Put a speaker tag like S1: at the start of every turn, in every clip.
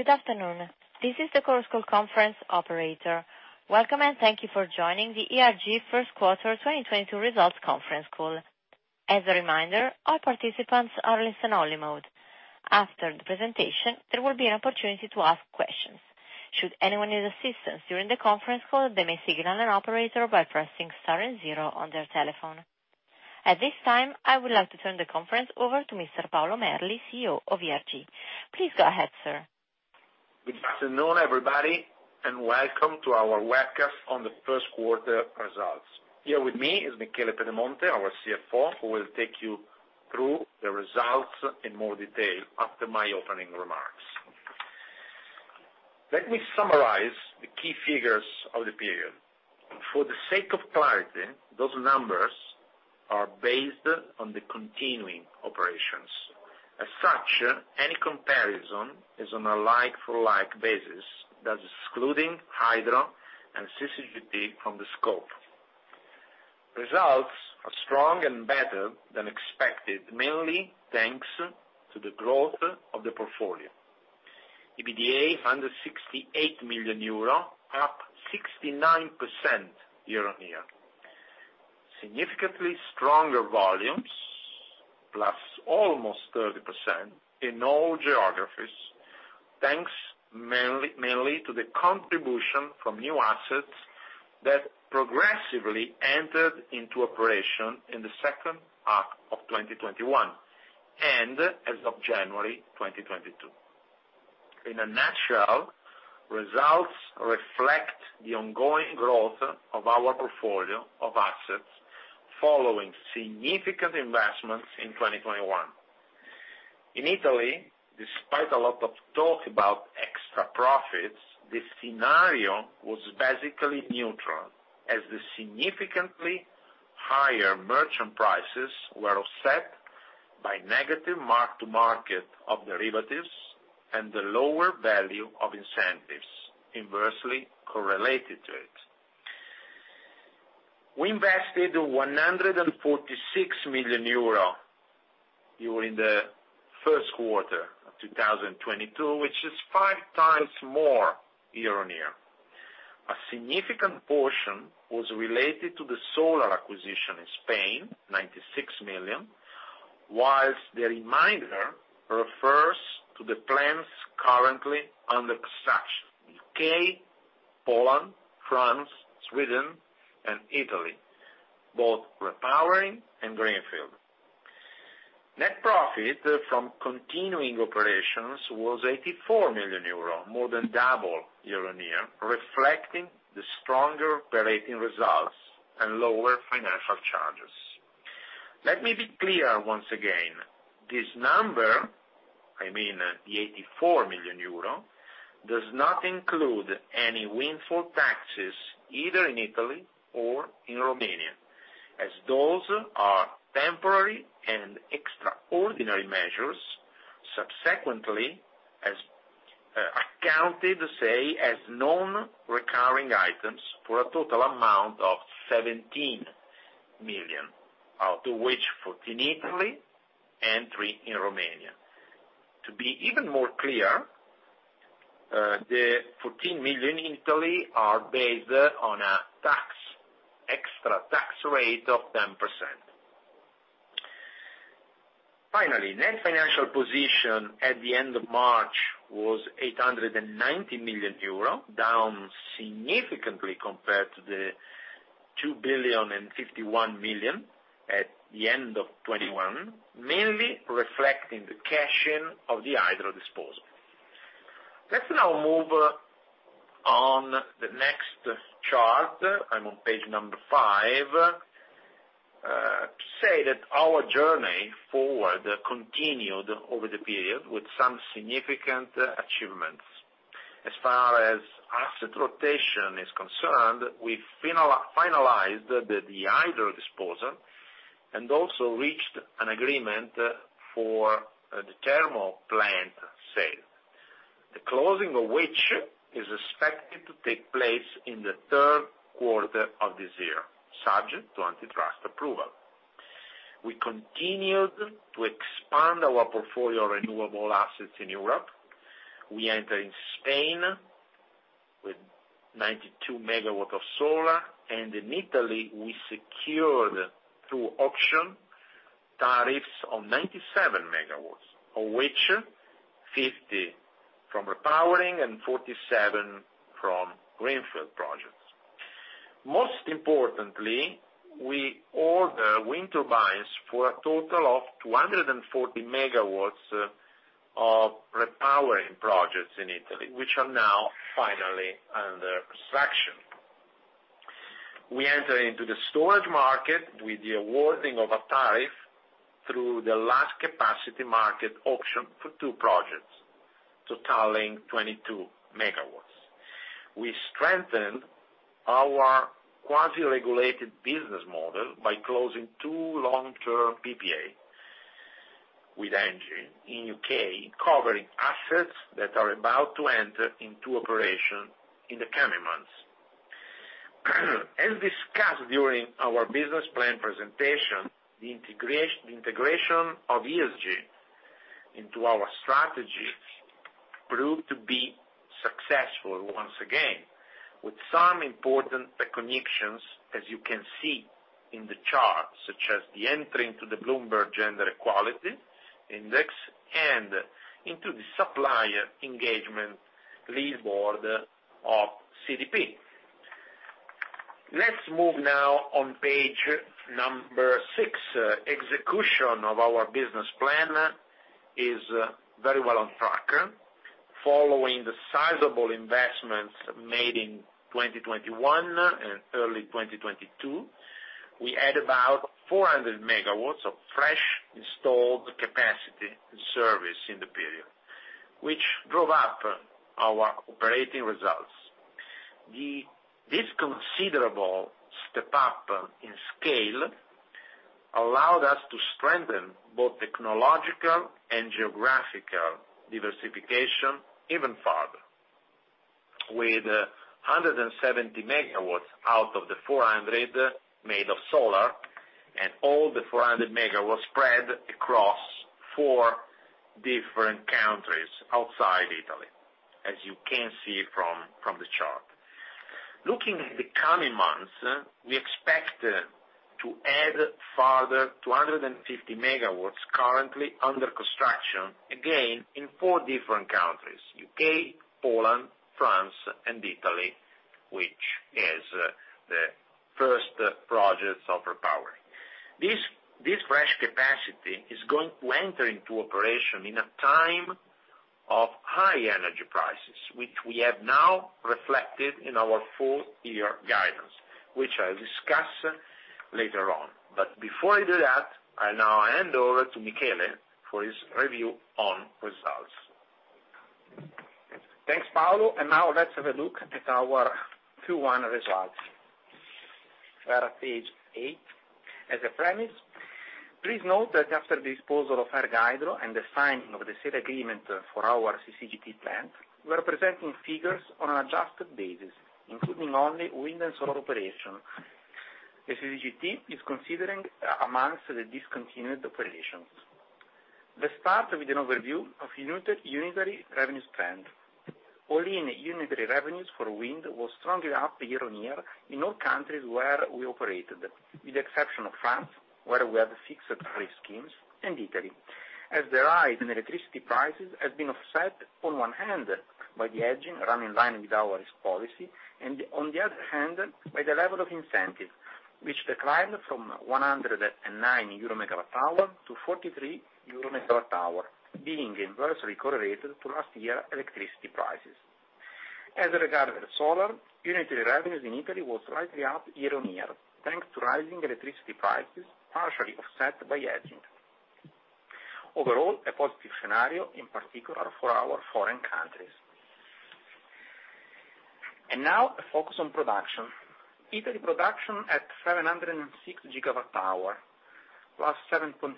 S1: Good afternoon. This is the Chorus Call operator. Welcome and thank you for joining the ERG Q1 2022 results conference call. As a reminder, all participants are in listen-only mode. After the presentation, there will be an opportunity to ask questions. Should anyone need assistance during the conference call, they may signal an operator by pressing star and zero on their telephone. At this time, I would like to turn the conference over to Mr. Paolo Merli, CEO of ERG. Please go ahead, sir.
S2: Good afternoon, everybody, and welcome to our webcast on the first quarter results. Here with me is Michele Pedemonte, our CFO, who will take you through the results in more detail after my opening remarks. Let me summarize the key figures of the period. For the sake of clarity, those numbers are based on the continuing operations. As such, any comparison is on a like-for-like basis that's excluding hydro and CCGT from the scope. Results are strong and better than expected, mainly thanks to the growth of the portfolio. EBITDA under EUR 68 million, up 69% year-on-year. Significantly stronger volumes, plus almost 30% in all geographies, thanks mainly to the contribution from new assets that progressively entered into operation in the second half of 2021, and as of January 2022. In a nutshell, results reflect the ongoing growth of our portfolio of assets following significant investments in 2021. In Italy, despite a lot of talk about extra profits, the scenario was basically neutral, as the significantly higher merchant prices were offset by negative mark-to-market of derivatives and the lower value of incentives inversely correlated to it. We invested 146 million euro during the first quarter of 2022, which is five times more year-on-year. A significant portion was related to the solar acquisition in Spain, 96 million, whilst the remainder refers to the plans currently under construction, U.K., Poland, France, Sweden, and Italy, both repowering and greenfield. Net profit from continuing operations was 84 million euro, more than double year-on-year, reflecting the stronger operating results and lower financial charges. Let me be clear once again. This number, I mean the 84 million euro, does not include any windfall taxes either in Italy or in Romania, as those are temporary and extraordinary measures, subsequently accounted, say, as non-recurring items for a total amount of 17 million, out of which 14 in Italy and three in Romania. To be even more clear, the 14 million in Italy are based on a tax, extra tax rate of 10%. Finally, net financial position at the end of March was 890 million euro, down significantly compared to the 2,051 million at the end of 2021, mainly reflecting the cash in of the hydro disposal. Let's now move on to the next chart, I'm on page number, to say that our journey forward continued over the period with some significant achievements. As far as asset rotation is concerned, we finalized the hydro disposal and also reached an agreement for the thermal plant sale. The closing of which is expected to take place in the third quarter of this year, subject to antitrust approval. We continued to expand our portfolio of renewable assets in Europe. We enter in Spain with 92 MW of solar, and in Italy we secured through auction tariffs of 97 MW, of which 50 from repowering and 47 from greenfield projects. Most importantly, we order wind turbines for a total of 240 MW of repowering projects in Italy, which are now finally under construction. We enter into the storage market with the awarding of a tariff through the last capacity market auction for two projects, totaling 22 MW. We strengthened our quasi-regulated business model by closing two long-term PPA with ENGIE in U.K., covering assets that are about to enter into operation in the coming months. As discussed during our business plan presentation, the integration of ESG into our strategy proved to be successful once again, with some important recognitions, as you can see in the chart, such as the entry into the Bloomberg Gender-Equality Index and into the Supplier Engagement Leaderboard of CDP. Let's move now on page six. Execution of our business plan is very well on track. Following the sizable investments made in 2021 and early 2022, we add about 400 MW of fresh installed capacity and service in the period, which drove up our operating results. This considerable step-up in scale allowed us to strengthen both technological and geographical diversification even further. With 170 MW out of the 400 MW of solar, and all the 400 MW spread across four different countries outside Italy, as you can see from the chart. Looking at the coming months, we expect to add further 250 MW currently under construction, again, in four different countries, U.K., Poland, France, and Italy, which is the first projects of our power. This fresh capacity is going to enter into operation in a time of high energy prices, which we have now reflected in our full year guidance, which I'll discuss later on. Before I do that, I now hand over to Michele for his review on results.
S3: Thanks, Paolo, and now let's have a look at our Q1 results. We're at page eight. As a premise, please note that after the disposal of ERG Hydro and the signing of the sale agreement for our CCGT plant, we're presenting figures on an adjusted basis, including only wind and solar operations. The CCGT is considered among the discontinued operations. Let's start with an overview of the unitary revenue and spend. All-in unitary revenues for wind was strongly up year-on-year in all countries where we operated, with the exception of France, where we have fixed price schemes, and Italy, as the rise in electricity prices has been offset on one hand by the hedging run in line with our policy, and on the other hand, by the level of incentive, which declined from 109 euro/MWh to 43 euro/MWh, being inversely correlated to last year electricity prices. As regards the solar, unitary revenues in Italy was slightly up year-on-year, thanks to rising electricity prices, partially offset by hedging. Overall, a positive scenario, in particular for our foreign countries. Now a focus on production. Italy production at 706 GWh, +7.5%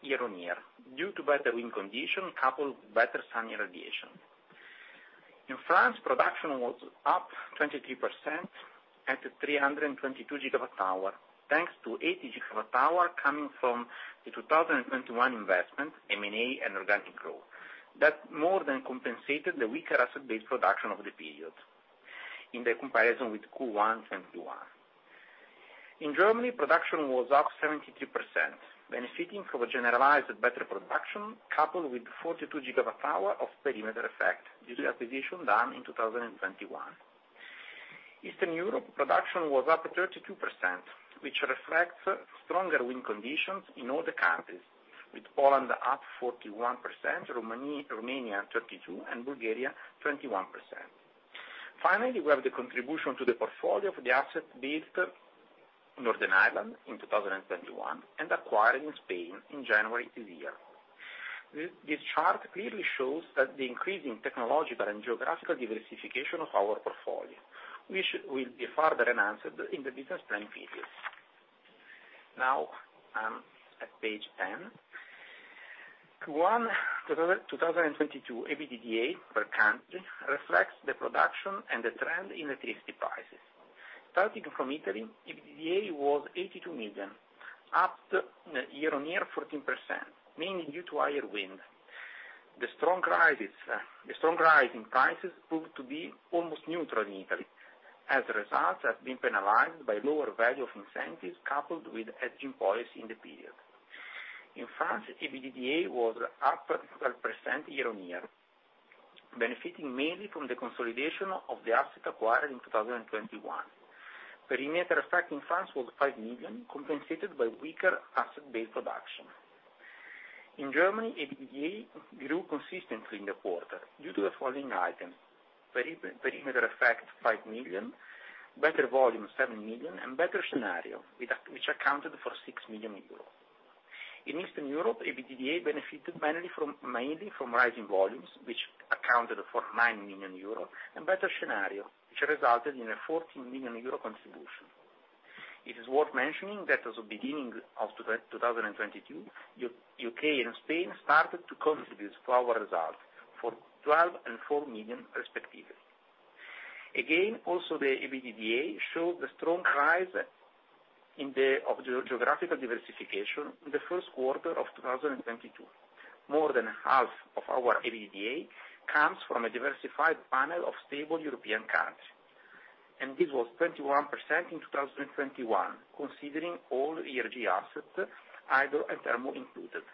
S3: year-on-year, due to better wind condition, coupled with better sun irradiation. In France, production was up 23% at 322 GWh, thanks to 80 GWh coming from the 2021 investment, M&A, and organic growth. That more than compensated the weaker asset base production over the period in the comparison with Q1 2021. In Germany, production was up 72%, benefiting from a generalized better production, coupled with 42 GWh of perimeter effect, due to acquisition done in 2021. Eastern Europe production was up 32%, which reflects stronger wind conditions in all the countries, with Poland up 41%, Romania 32%, and Bulgaria 21%. Finally, we have the contribution to the portfolio for the asset based Northern Ireland in 2021 and acquired in Spain in January this year. This chart clearly shows that the increase in technological and geographical diversification of our portfolio, which will be further enhanced in the business plan phases. Now, at page ten. Q1 2022 EBITDA per country reflects the production and the trend in electricity prices. Starting from Italy, EBITDA was 82 million, up year-on-year 14%, mainly due to higher wind. The strong rise in prices proved to be almost neutral in Italy. As a result, has been penalized by lower value of incentives, coupled with energy policy in the period. In France, EBITDA was up 12% year-on-year, benefiting mainly from the consolidation of the asset acquired in 2021. Perimeter effect in France was 5 million, compensated by weaker asset-based production. In Germany, EBITDA grew consistently in the quarter due to the following items, perimeter effect, 5 million, better volume, 7 million, and better scenario, which accounted for 6 million euros. In Eastern Europe, EBITDA benefited mainly from rising volumes, which accounted for 9 million euro, and better scenario, which resulted in a 14 million euro contribution. It is worth mentioning that as of beginning of 2022, U.K. and Spain started to contribute to our results for 12 million and 4 million respectively. Again, also the EBITDA showed a strong rise in geographical diversification in the first quarter of 2022. More than half of our EBITDA comes from a diversified panel of stable European countries, and this was 21% in 2021, considering all ERG assets, hydro and thermal included.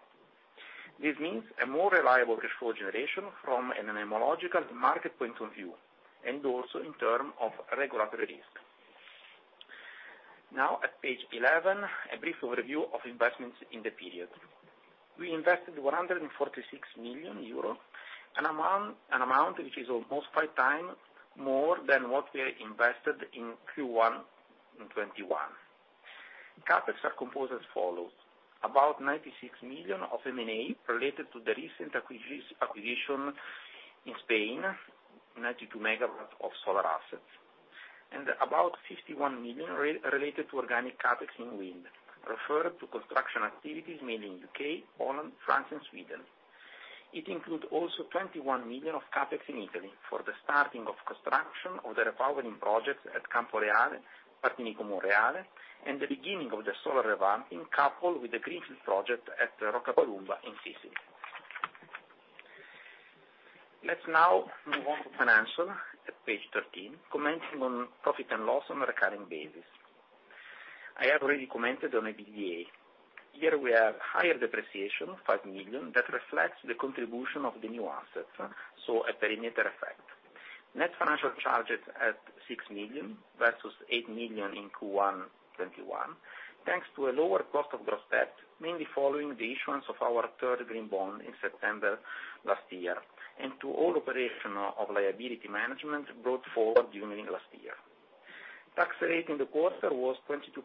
S3: This means a more reliable cash flow generation from an international market point of view, and also in terms of regulatory risk. Now at page 11, a brief overview of investments in the period. We invested 146 million euro, an amount which is almost five times more than what we invested in Q1 2021. CapEx are composed as follows. About 96 million of M&A related to the recent acquisition in Spain, 92 MW of solar assets, and about 51 million related to organic CapEx in wind, referred to construction activities mainly in U.K., Poland, France and Sweden. It includes also 21 million of CapEx in Italy for the starting of construction of the repowering projects at Camporeale, Partinico, Monreale, and the beginning of the solar revamping coupled with the greenfield project at Roccapalumba in Sicily. Let's now move on to financials at page 13, commenting on profit and loss on a recurring basis. I have already commented on EBITDA. Here we have higher depreciation, 5 million, that reflects the contribution of the new assets, so a perimeter effect. Net financial charges at 6 million versus 8 million in Q1 2021, thanks to a lower cost of gross debt, mainly following the issuance of our third green bond in September last year, and to all our liability management operations brought forward during last year. Tax rate in the quarter was 22%,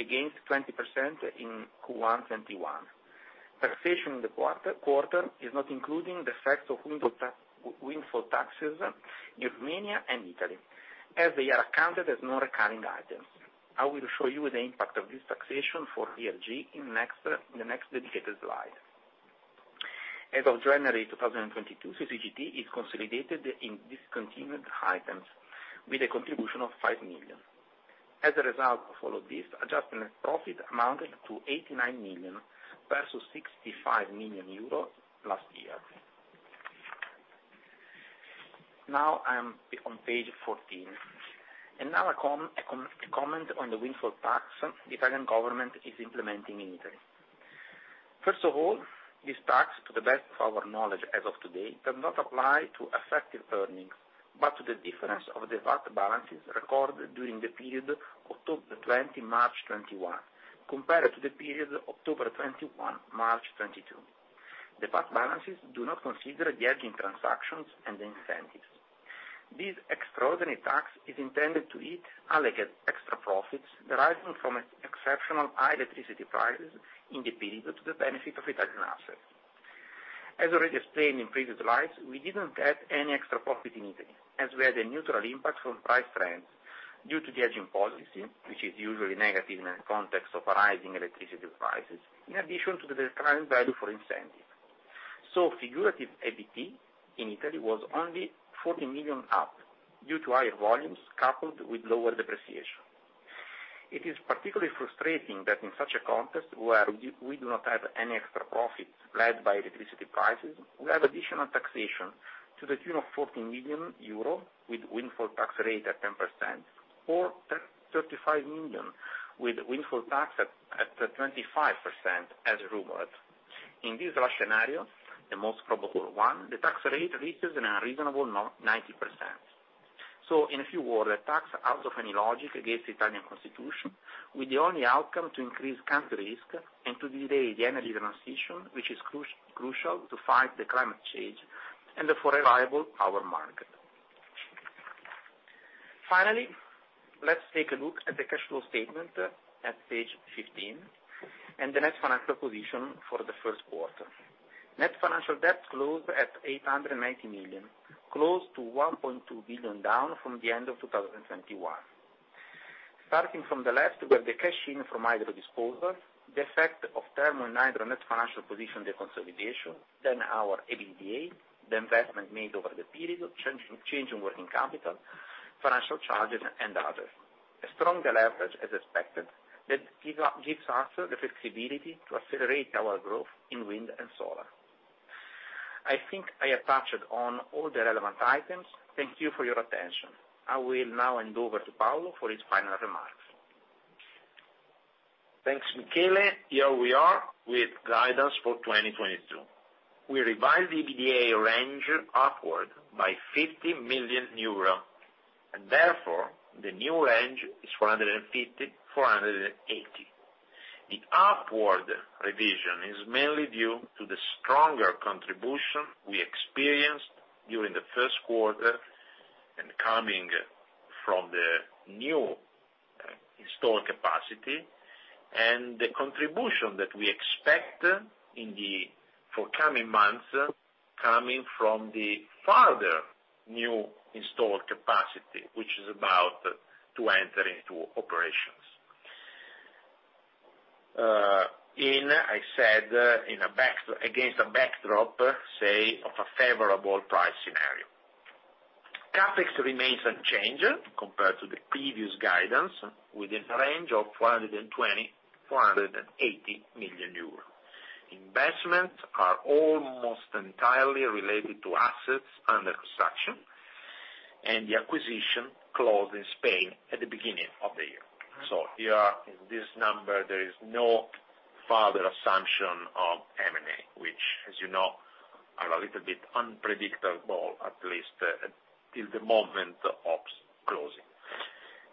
S3: against 20% in Q1 2021. Taxation in the quarter is not including the effect of windfall taxes in Romania and Italy, as they are accounted as non-recurring items. I will show you the impact of this taxation for ERG in the next dedicated slide. As of January 2022, CCGT is consolidated in discontinued items with a contribution of 5 million. As a result of all of this, adjustment profit amounted to 89 million versus 65 million euro last year. Now I am on page 14. Now a comment on the windfall tax the Italian government is implementing in Italy. First of all, this tax, to the best of our knowledge as of today, does not apply to effective earnings, but to the difference of the VAT balances recorded during the period October 2020 - March 2021, compared to the period October 2021 - March 2022. The VAT balances do not consider the hedging transactions and the incentives. This extraordinary tax is intended to eat allocated extra profits deriving from exceptional high electricity prices in the period to the benefit of Italian assets. As already explained in previous slides, we didn't get any extra profit in Italy, as we had a neutral impact from price trends due to the hedging policy, which is usually negative in the context of rising electricity prices, in addition to the discounted value for incentive. Figurative EBIT in Italy was only 40 million up due to higher volumes coupled with lower depreciation. It is particularly frustrating that in such a context where we do not have any extra profits led by electricity prices, we have additional taxation to the tune of 14 million euro with windfall tax rate at 10% or 35 million with windfall tax at 25% as rumored. In this last scenario, the most probable one, the tax rate reaches an unreasonable 90%. In a few words, a tax out of any logic against Italian Constitution, with the only outcome to increase country risk and to delay the energy transition, which is crucial to fight the climate change and for a reliable power market. Finally, let's take a look at the cash flow statement at page 15 and the net financial position for the first quarter. Net financial debt closed at 890 million, close to 1.2 billion down from the end of 2021. Starting from the left, we have the cash in from hydro disposal, the effect of thermal and hydro net financial position deconsolidation, then our EBITDA, the investment made over the period, change in working capital, financial charges and others. A strong deleverage as expected that gives us the flexibility to accelerate our growth in wind and solar. I think I touched on all the relevant items. Thank you for your attention. I will now hand over to Paolo for his final remarks.
S2: Thanks, Michele. Here we are with guidance for 2022. We revised the EBITDA range upward by 50 million euro, and therefore the new range is 450-480. The upward revision is mainly due to the stronger contribution we experienced during the first quarter and coming from the new installed capacity and the contribution that we expect in the forthcoming months, coming from the further new installed capacity, which is about to enter into operations. In a backdrop, say, of a favorable price scenario, CapEx remains unchanged compared to the previous guidance, within a range of 120-180 million euro. Investments are almost entirely related to assets under construction, and the acquisition closed in Spain at the beginning of the year. Here, in this number, there is no further assumption of M&A, which as you know, are a little bit unpredictable, at least, till the moment of closing.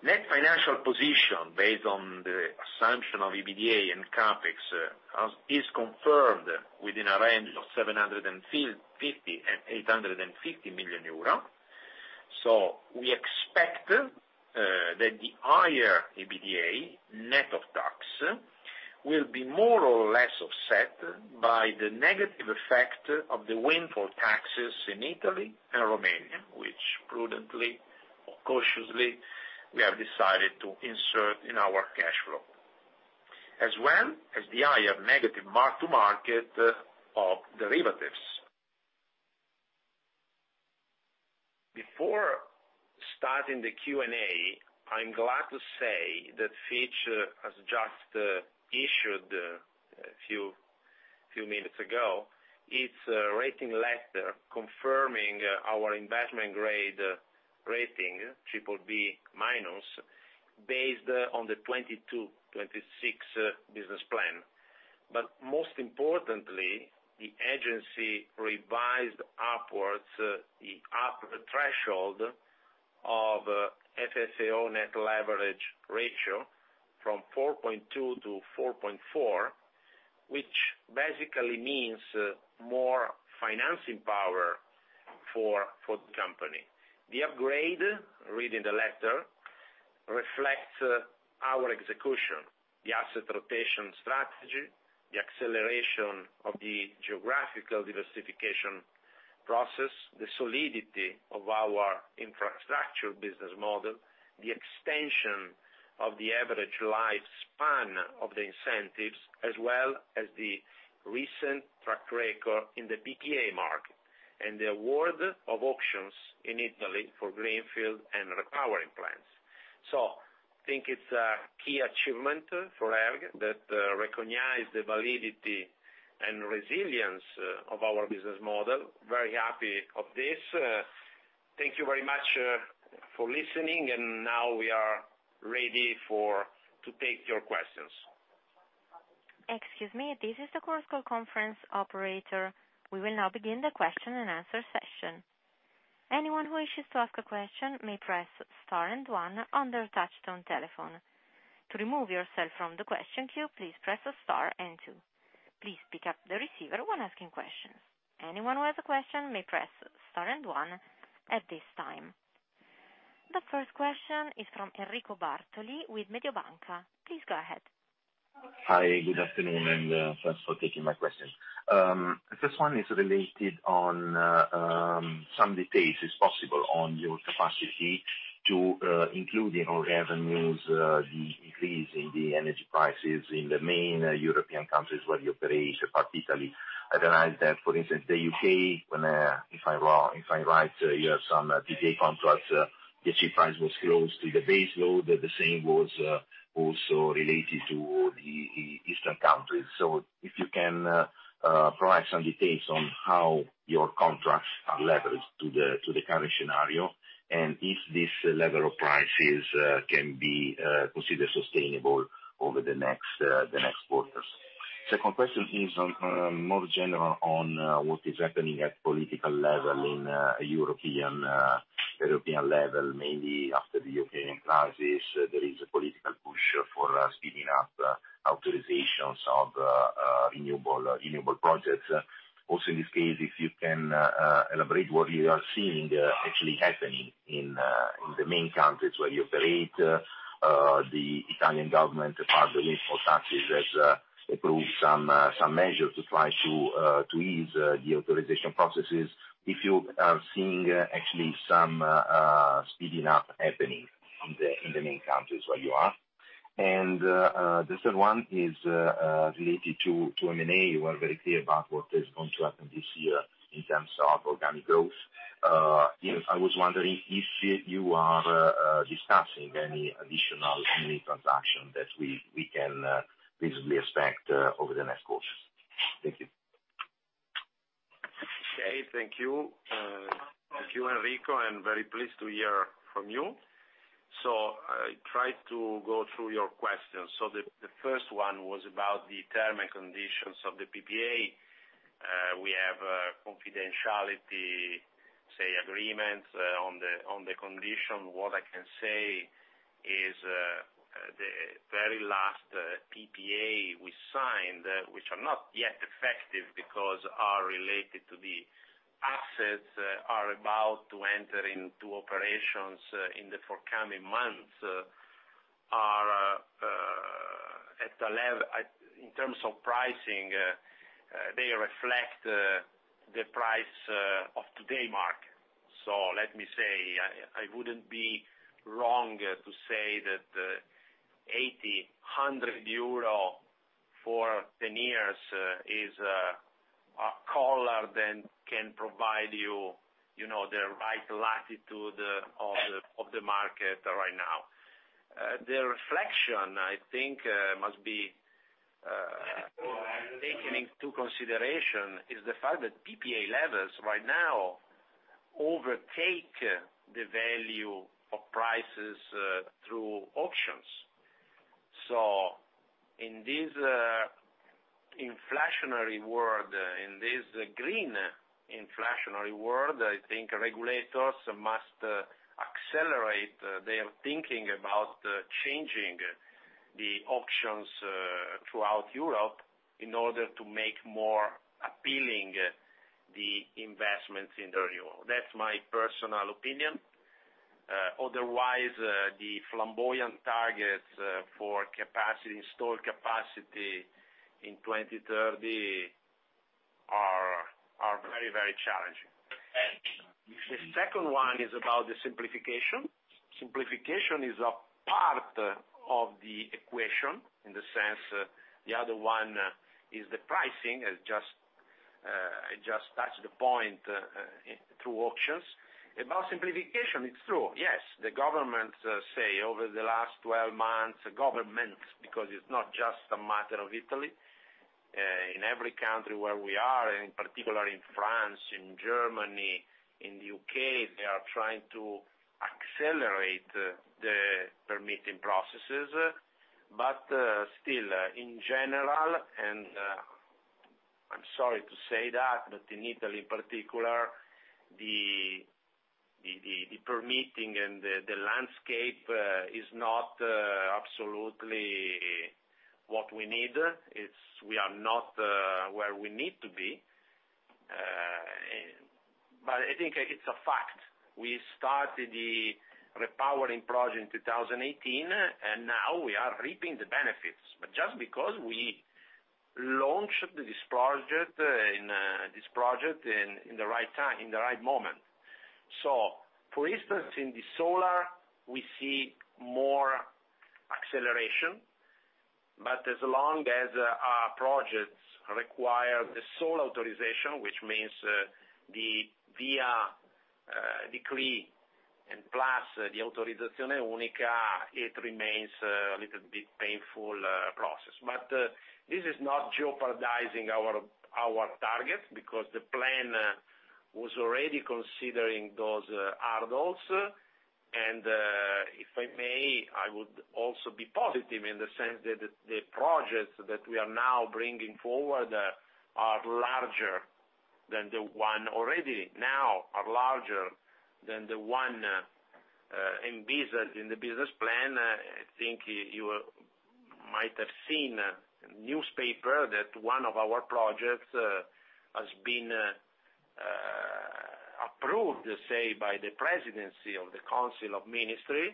S2: Net financial position based on the assumption of EBITDA and CapEx is confirmed within a range of 750 million-850 million euro. We expect that the higher EBITDA net of tax will be more or less offset by the negative effect of the windfall taxes in Italy and Romania, which prudently or cautiously we have decided to insert in our cash flow, as well as the higher negative mark to market of derivatives. Before starting the Q&A, I'm glad to say that Fitch has just issued a few minutes ago, its rating letter confirming our investment grade rating BBB-, based on the 2022/2026 business plan. Most importantly, the agency revised upwards the upper threshold of FFO net leverage ratio from 4.2-4.4, which basically means more financing power for the company. The upgrade, reading the letter, reflects our execution, the asset rotation strategy, the acceleration of the geographical diversification process, the solidity of our infrastructure business model, the extension of the average lifespan of the incentives, as well as the recent track record in the PPA market, and the award of auctions in Italy for greenfield and repowering plants. I think it's a key achievement for ERG that recognize the validity and resilience of our business model. Very happy of this. Thank you very much for listening, and now we are ready to take your questions.
S1: Excuse me, this is the conference call operator. We will now begin the question and answer session. Anyone who wishes to ask a question may press star and one on their touchtone telephone. To remove yourself from the question queue, please press star and two. Please pick up the receiver when asking questions. Anyone who has a question may press star and one at this time. The first question is from Enrico Bartoli with Mediobanca. Please go ahead.
S4: Hi, good afternoon, and thanks for taking my question. First one is related on some details, if possible, on your capacity to include in your revenues the increase in the energy prices in the main European countries where you operate, particularly Italy. I realize that, for instance, the U.K. when, if I'm right, you have some PPA contracts, the achieved price was close to the base load. The same was also related to the Eastern countries. If you can provide some details on how your contracts are leveraged to the current scenario, and if this level of prices can be considered sustainable over the next quarters. Second question is on more general on what is happening at political level in European level. Mainly after the European crisis, there is a political push for speeding up authorizations of renewable projects. Also, in this case, if you can elaborate what you are seeing actually happening in the main countries where you operate. The Italian government, apart from the windfall taxes, has approved some measures to try to ease the authorization processes, if you are seeing actually some speeding up happening in the main countries where you are. The third one is related to M&A. You are very clear about what is going to happen this year in terms of organic growth. You know, I was wondering if you are discussing any additional M&A transaction that we can reasonably expect over the next quarters. Thank you.
S2: Okay. Thank you. Thank you, Enrico, I'm very pleased to hear from you. I try to go through your questions. The first one was about the terms and conditions of the PPA. We have a confidentiality agreement on the conditions. What I can say is, the very last PPA and which are not yet effective because are related to the assets are about to enter into operations in the forthcoming months are at the level in terms of pricing they reflect the price of today's market. Let me say, I wouldn't be wrong to say that 800 euro for 10 years is a collar that can provide you know, the right latitude of the market right now. The reflection, I think, must be taken into consideration is the fact that PPA levels right now overtake the value of prices through auctions. In this inflationary world, in this green inflationary world, I think regulators must accelerate their thinking about changing the auctions throughout Europe in order to make more appealing the investments in the EU. That's my personal opinion. Otherwise, the ambitious targets for storage capacity in 2030 are very, very challenging. The second one is about the simplification. Simplification is a part of the equation, in the sense the other one is the pricing. I just touched the point through auctions. About simplification, it's true. Yes. The government say over the last 12 months, governments, because it's not just a matter of Italy, in every country where we are, and in particular in France, in Germany, in the U.K., they are trying to accelerate the permitting processes. Still, in general, and, I'm sorry to say that, but in Italy, in particular, the permitting and the landscape is not absolutely what we need. It's. We are not where we need to be. I think it's a fact. We started the repowering project in 2018, and now we are reaping the benefits. Just because we launched this project in the right time, in the right moment. For instance, in the solar, we see more acceleration. As long as our projects require the single authorization, which means the Decreto VIA and the autorizzazione unica, it remains a little bit painful process. This is not jeopardizing our targets because the plan was already considering those hurdles. If I may, I would also be positive in the sense that the projects that we are now bringing forward are larger than the ones already in the business plan. I think you might have seen a newspaper that one of our projects has been approved, say, by the Presidency of the Council of Ministers,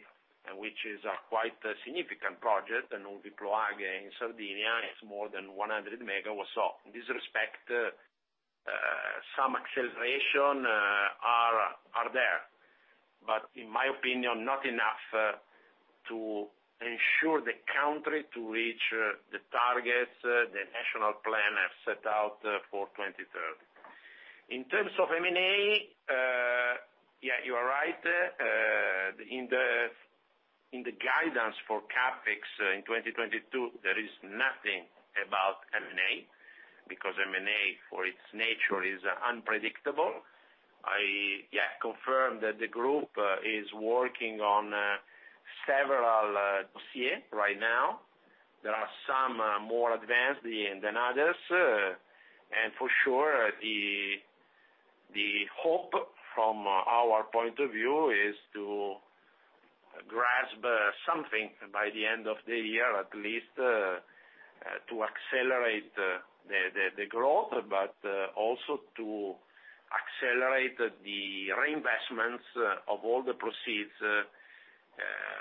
S2: which is a quite significant project, the Nulvi Ploaghe in Sardinia. It's more than 100 MW. In this respect, some acceleration are there. In my opinion, not enough to ensure the country to reach the targets the national plan have set out for 2030. In terms of M&A, yeah, you are right. In the guidance for CapEx in 2022, there is nothing about M&A, because M&A, for its nature, is unpredictable. I, yeah, confirm that the group is working on several dossiers right now. There are some more advanced than others. For sure, the hope from our point of view is to grasp something by the end of the year, at least, to accelerate the growth, but also to accelerate the reinvestments of all the proceeds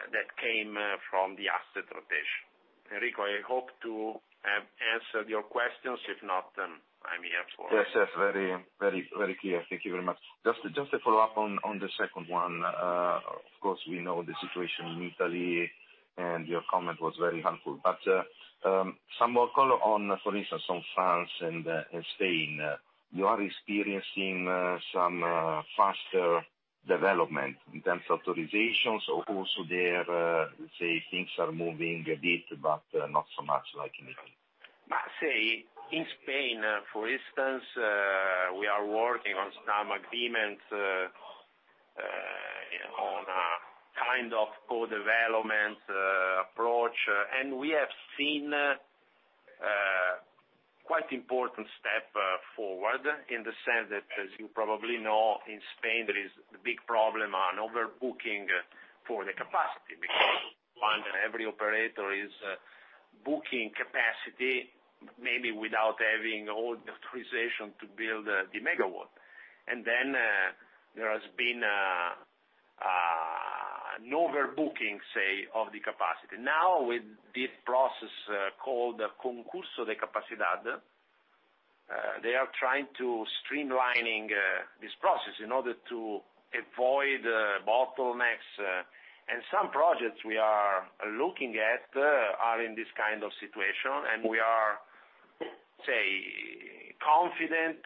S2: that came from the asset rotation. Enrico, I hope to have answered your questions. If not, then I'm here for-
S4: Yes. Very clear. Thank you very much. Just to follow up on the second one. Of course, we know the situation in Italy, and your comment was very helpful. Some more color on, for instance, on France and Spain. You are experiencing some faster development in terms of authorizations. Also there, let's say things are moving a bit, but not so much like in Italy.
S2: I say, in Spain, for instance, we are working on some agreements, on a kind of co-development approach. We have seen quite important step forward in the sense that, as you probably know, in Spain, there is a big problem on overbooking for the capacity, because one, every operator is booking capacity, maybe without having all the authorization to build the megawatt. Then there has been an overbooking, say, of the capacity. Now with this process, called the Concurso de Capacidad, they are trying to streamlining this process in order to avoid bottlenecks. Some projects we are looking at are in this kind of situation, and we are, say, confident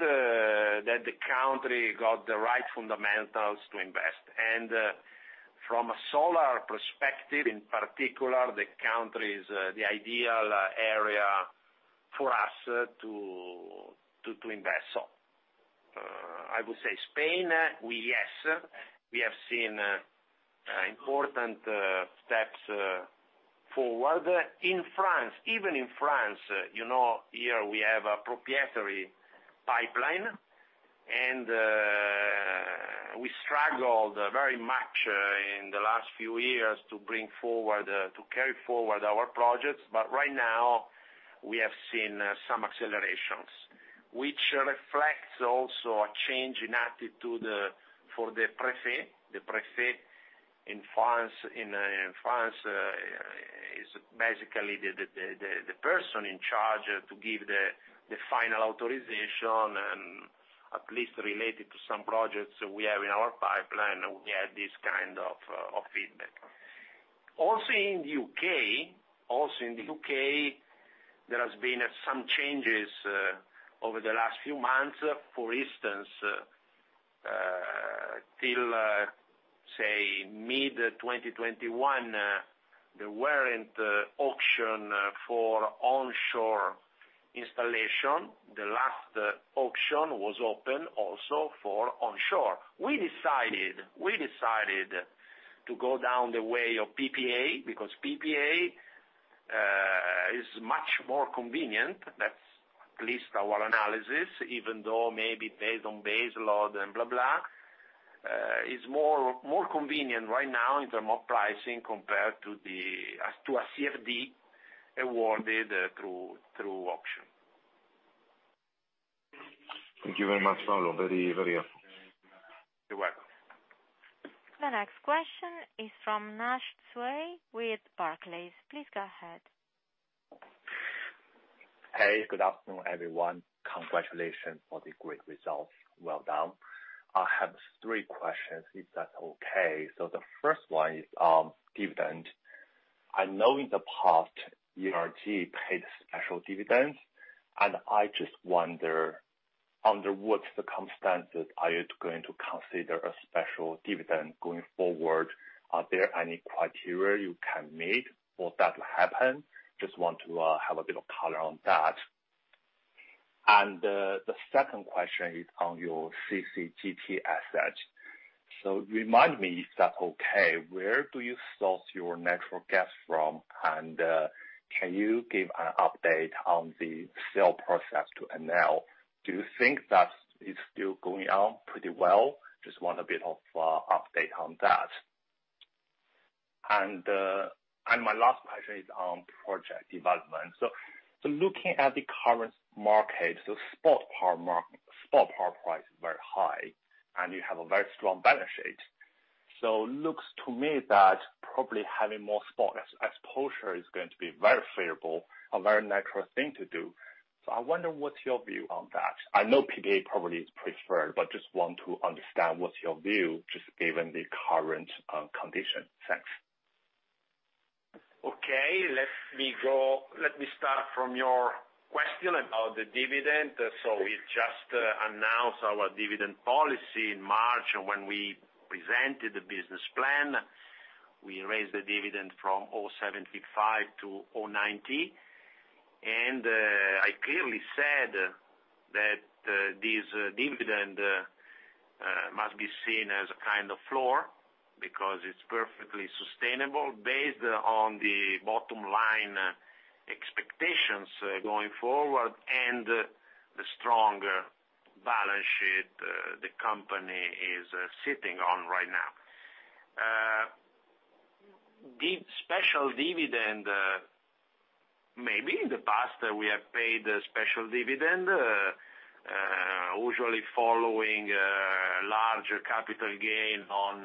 S2: that the country got the right fundamentals to invest. From a solar perspective, in particular, the country is the ideal area for us to invest. I would say Spain. Yes, we have seen important steps forward. In France, even in France, you know, here we have a proprietary pipeline, and we struggled very much in the last few years to bring forward to carry forward our projects. Right now we have seen some accelerations, which reflects also a change in attitude for the prefect. The prefect in France is basically the person in charge to give the final authorization, and at least related to some projects we have in our pipeline, we had this kind of feedback. In the U.K., there has been some changes over the last few months. For instance, till, say, mid-2021, there weren't auctions for onshore installation. The last auction was open also for onshore. We decided to go down the way of PPA because PPA is much more convenient. That's at least our analysis, even though maybe based on base load and blah, is more convenient right now in terms of pricing compared to a CFD awarded through auction.
S4: Thank you very much, Paolo. Very, very helpful.
S2: You're welcome.
S1: The next question is from Naisheng Cui with Barclays. Please go ahead.
S5: Hey, good afternoon, everyone. Congratulations for the great results. Well done. I have three questions, if that's okay. The first one is on dividend. I know in the past, ERG paid special dividends, and I just wonder, under what circumstances are you going to consider a special dividend going forward? Are there any criteria you can make for that to happen? Just want to have a bit of color on that. The second question is on your CCGT assets. Remind me, if that's okay, where do you source your natural gas from? Can you give an update on the sale process to ERG? Do you think that it's still going on pretty well? Just want a bit of update on that. My last question is on project development. Looking at the current market, the spot power price is very high, and you have a very strong balance sheet. Looks to me that probably having more spot exposure is going to be very favorable, a very natural thing to do. I wonder, what's your view on that? I know PPA probably is preferred, but just want to understand what's your view, just given the current condition. Thanks.
S2: Okay. Let me start from your question about the dividend. We just announced our dividend policy in March when we presented the business plan. We raised the dividend from 0.755 to 0.90. I clearly said that this dividend must be seen as a kind of floor because it's perfectly sustainable based on the bottom line expectations going forward and the stronger balance sheet the company is sitting on right now. The special dividend, maybe in the past we have paid a special dividend, usually following large capital gain on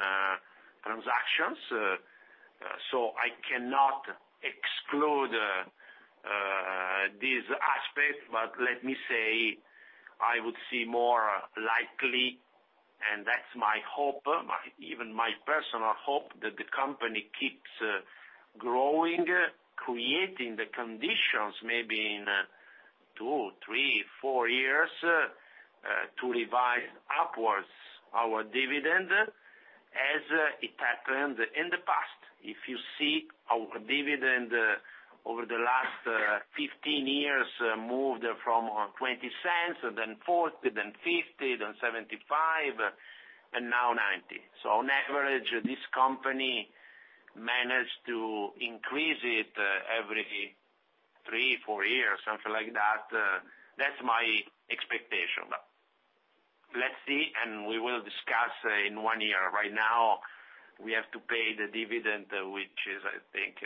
S2: transactions. I cannot exclude this aspect, but let me say I would see more likely, and that's my hope, even my personal hope that the company keeps growing, creating the conditions maybe in two, three, four years to revise upwards our dividend as it happened in the past. If you see our dividend over the last 15 years moved from 0.20, then 0.40, then 0.50, then 0.75, and now 0.90. On average, this company managed to increase it every three, four years, something like that. That's my expectation. Let's see, and we will discuss in one year. Right now, we have to pay the dividend, which is, I think,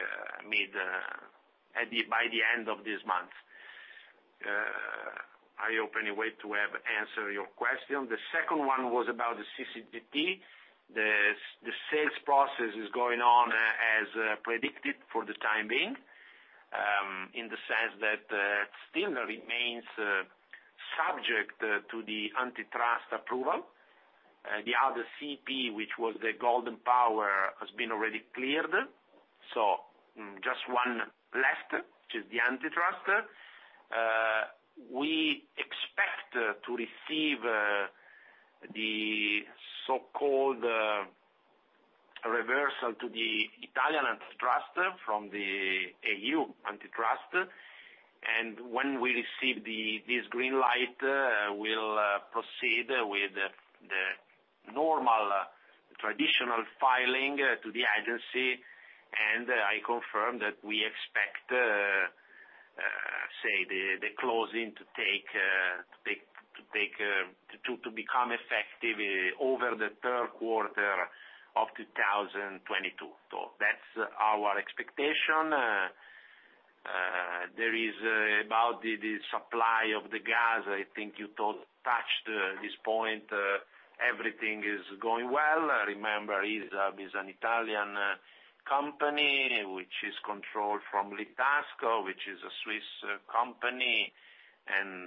S2: by the end of this month. I hope anyway to have answered your question. The second one was about the CDP. The sales process is going on as predicted for the time being, in the sense that it still remains subject to the antitrust approval. The other CP, which was the golden power, has been already cleared. Just one left, which is the antitrust. We expect to receive the so-called referral to the Italian antitrust from the EU antitrust. When we receive this green light, we'll proceed with the normal traditional filing to the agency. I confirm that we expect the closing to become effective over the third quarter of 2022. That's our expectation. There is about the supply of the gas, I think you touched this point, everything is going well. Remember, ISAB is an Italian company, which is controlled by Litasco, which is a Swiss company.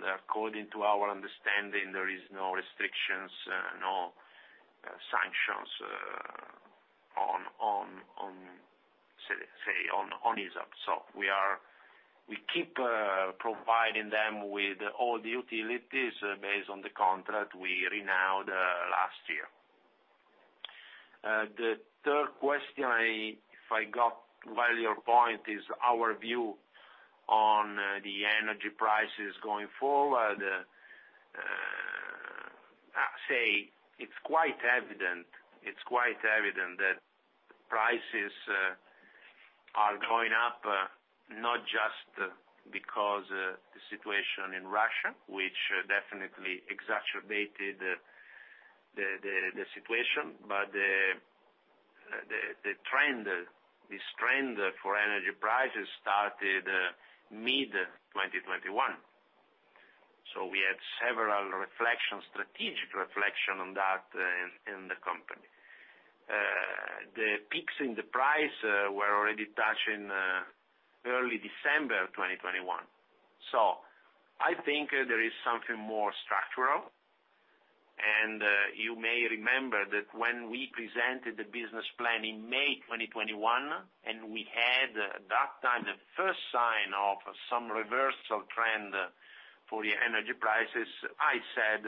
S2: According to our understanding, there is no restriction, no sanctions on ISAB. We keep providing them with all the utilities based on the contract we renewed last year. The third question, if I got your point well, is our view on the energy prices going forward. It's quite evident that prices are going up, not just because the situation in Russia, which definitely exacerbated the situation. The trend for energy prices started mid-2021. We had several strategic reflections on that in the company. The peaks in the price were already touched in early December 2021. I think there is something more structural. You may remember that when we presented the business plan in May 2021, and at that time we had the first sign of some reversal trend for the energy prices. I said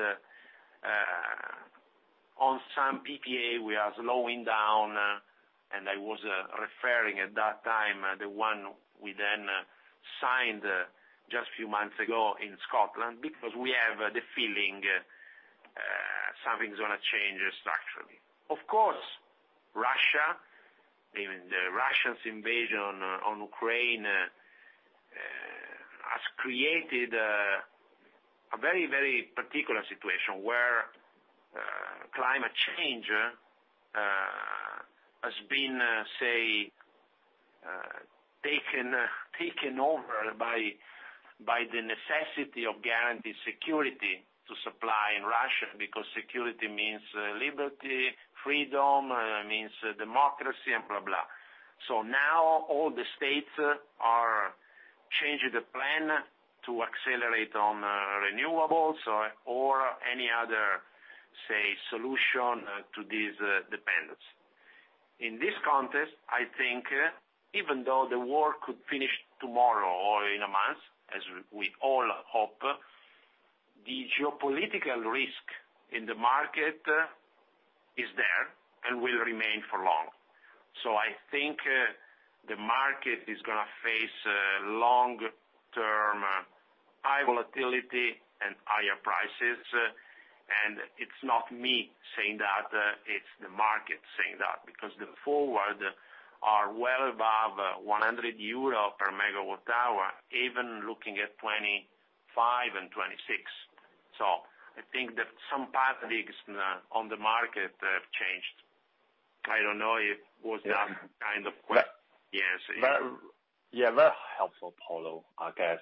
S2: on some PPA we are slowing down, and I was referring at that time to the one we then signed just a few months ago in Scotland, because we have the feeling something's gonna change structurally. Of course, Russia, even the Russian invasion of Ukraine, has created a very, very particular situation where climate change has been, say, taken over by the necessity of guaranteed security of supply in Russia, because security means liberty, freedom, means democracy, and blah, blah. Now all the states are changing the plan to accelerate on renewables or any other, say, solution to this dependence. In this context, I think even though the war could finish tomorrow or in a month, as we all hope, the geopolitical risk in the market is there and will remain for long. I think the market is gonna face long-term high volatility and higher prices. It's not me saying that, it's the market saying that, because the forwards are well above 100 euro per MWh, even looking at 2025 and 2026. I think that some paradigms on the market have changed.
S5: Yeah.
S2: Yes.
S5: Yeah. That's helpful, Paolo. I guess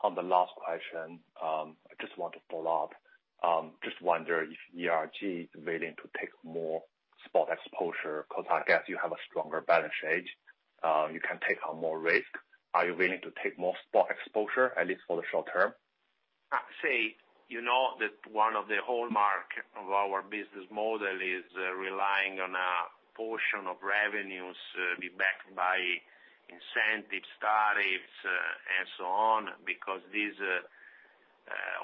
S5: on the last question, I just want to follow up. Just wonder if ERG is willing to take more spot exposure, because I guess you have a stronger balance sheet, you can take on more risk. Are you willing to take more spot exposure, at least for the short term?
S2: I'd say, you know that one of the hallmark of our business model is relying on a portion of revenues be backed by incentive, tariffs, and so on, because these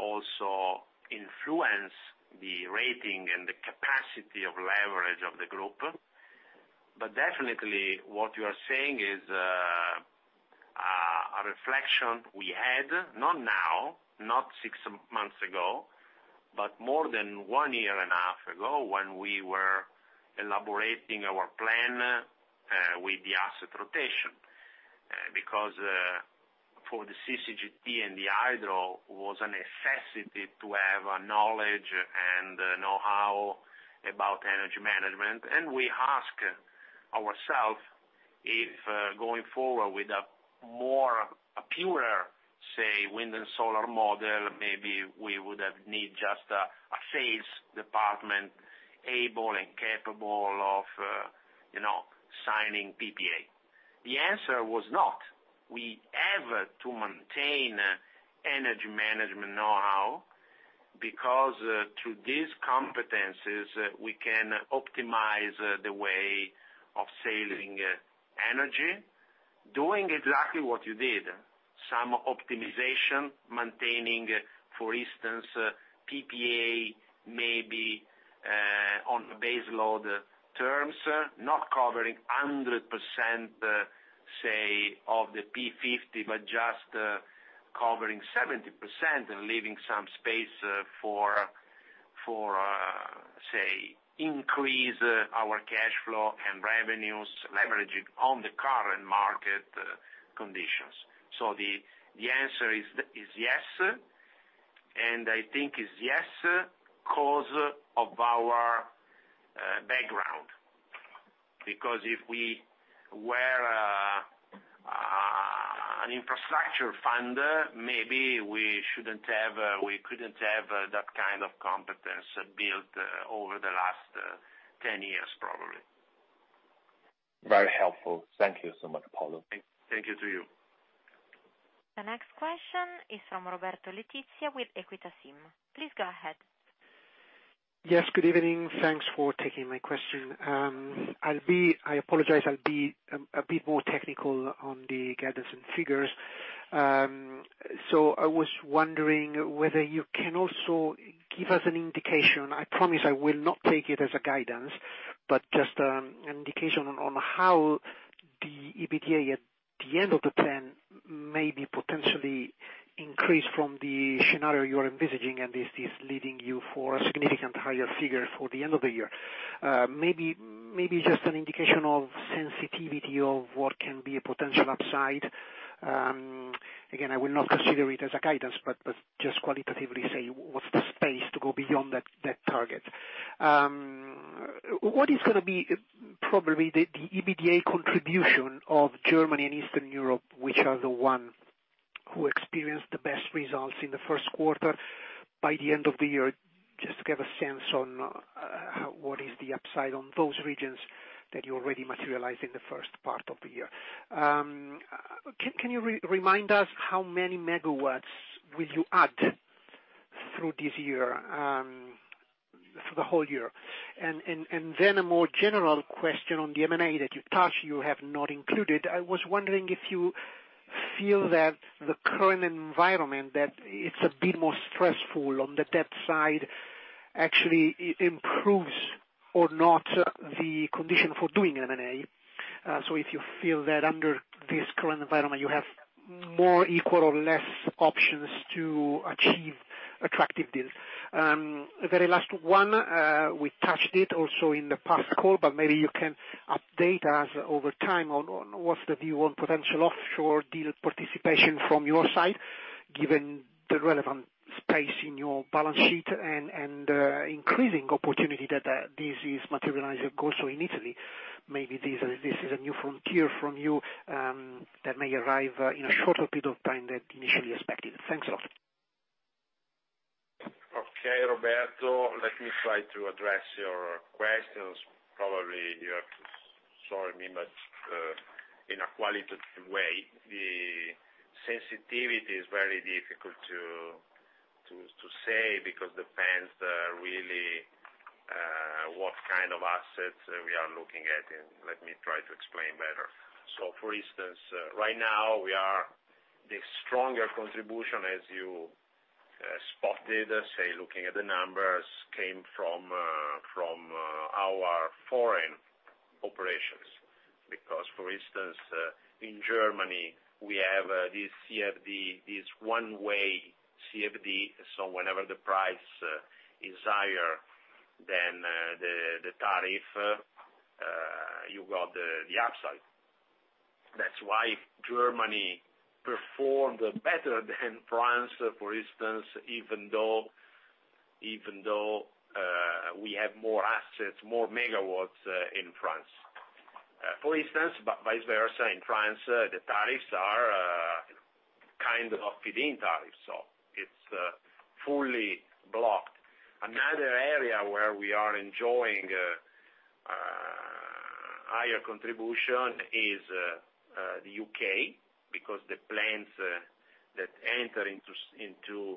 S2: also influence the rating and the capacity of leverage of the group. Definitely what you are saying is a reflection we had, not now, not six months ago, but more than one year and a half ago when we were elaborating our plan with the asset rotation. For the CCGT and the hydro was a necessity to have a knowledge and know-how about energy management. We ask ourself if going forward with a more, a purer, say, wind and solar model, maybe we would have need just a sales department able and capable of, you know, signing PPA. The answer was not. We have to maintain energy management know-how because through these competencies we can optimize the way of selling energy, doing exactly what you did, some optimization, maintaining, for instance, PPA maybe on base load terms, not covering 100%, say, of the P50, but just covering 70% and leaving some space, say, increase our cash flow and revenues, leverage it on the current market conditions. The answer is yes, and I think it's yes because of our background. Because if we were an infrastructure fund, maybe we couldn't have that kind of competence built over the last 10 years, probably.
S5: Very helpful. Thank you so much, Paolo.
S2: Thank you to you.
S1: The next question is from Roberto Letizia with Equita SIM. Please go ahead.
S6: Yes, good evening. Thanks for taking my question. I apologize, I'll be a bit more technical on the guidance and figures. So I was wondering whether you can also give us an indication. I promise I will not take it as a guidance, but just an indication on how the EBITDA at the end of the plan may be potentially increased from the scenario you are envisaging, and this is leading to a significantly higher figure for the end of the year. Maybe just an indication of sensitivity of what can be a potential upside. Again, I will not consider it as a guidance, but just qualitatively say what's the space to go beyond that target. What is gonna be probably the EBITDA contribution of Germany and Eastern Europe, which are the ones who experienced the best results in the first quarter, by the end of the year, just to get a sense on how what is the upside on those regions that you already materialized in the first part of the year? Can you remind us how many megawatts will you add through this year, for the whole year? Then a more general question on the M&A that you touched, you have not included. I was wondering if you feel that the current environment, that it's a bit more stressful on the debt side, actually improves or not the condition for doing M&A. So if you feel that under this current environment you have more, equal or less options to achieve attractive deals. Very last one, we touched it also in the past call, but maybe you can update us over time on on what's the view on potential offshore deal participation from your side, given the relevant space in your balance sheet and increasing opportunity that this is materialized of course so in Italy. Maybe this is a new frontier from you that may arrive in a shorter period of time than initially expected. Thanks a lot.
S2: Okay, Roberto, let me try to address your questions. Probably you have to excuse me, but, in a qualitative way, the sensitivity is very difficult to say because depends really what kind of assets we are looking at. Let me try to explain better. For instance, right now we're seeing the strongest contribution as you say, looking at the numbers, came from our foreign operations. Because, for instance, in Germany we have this CFD, this one-way CFD, so whenever the price is higher than the tariff, you got the upside. That's why Germany performed better than France, for instance, even though we have more assets, more megawatts in France. For instance, but vice versa, in France, the tariffs are kind of feed-in tariffs, so it's fully blocked. Another area where we are enjoying higher contribution is the U.K., because the plants that enter into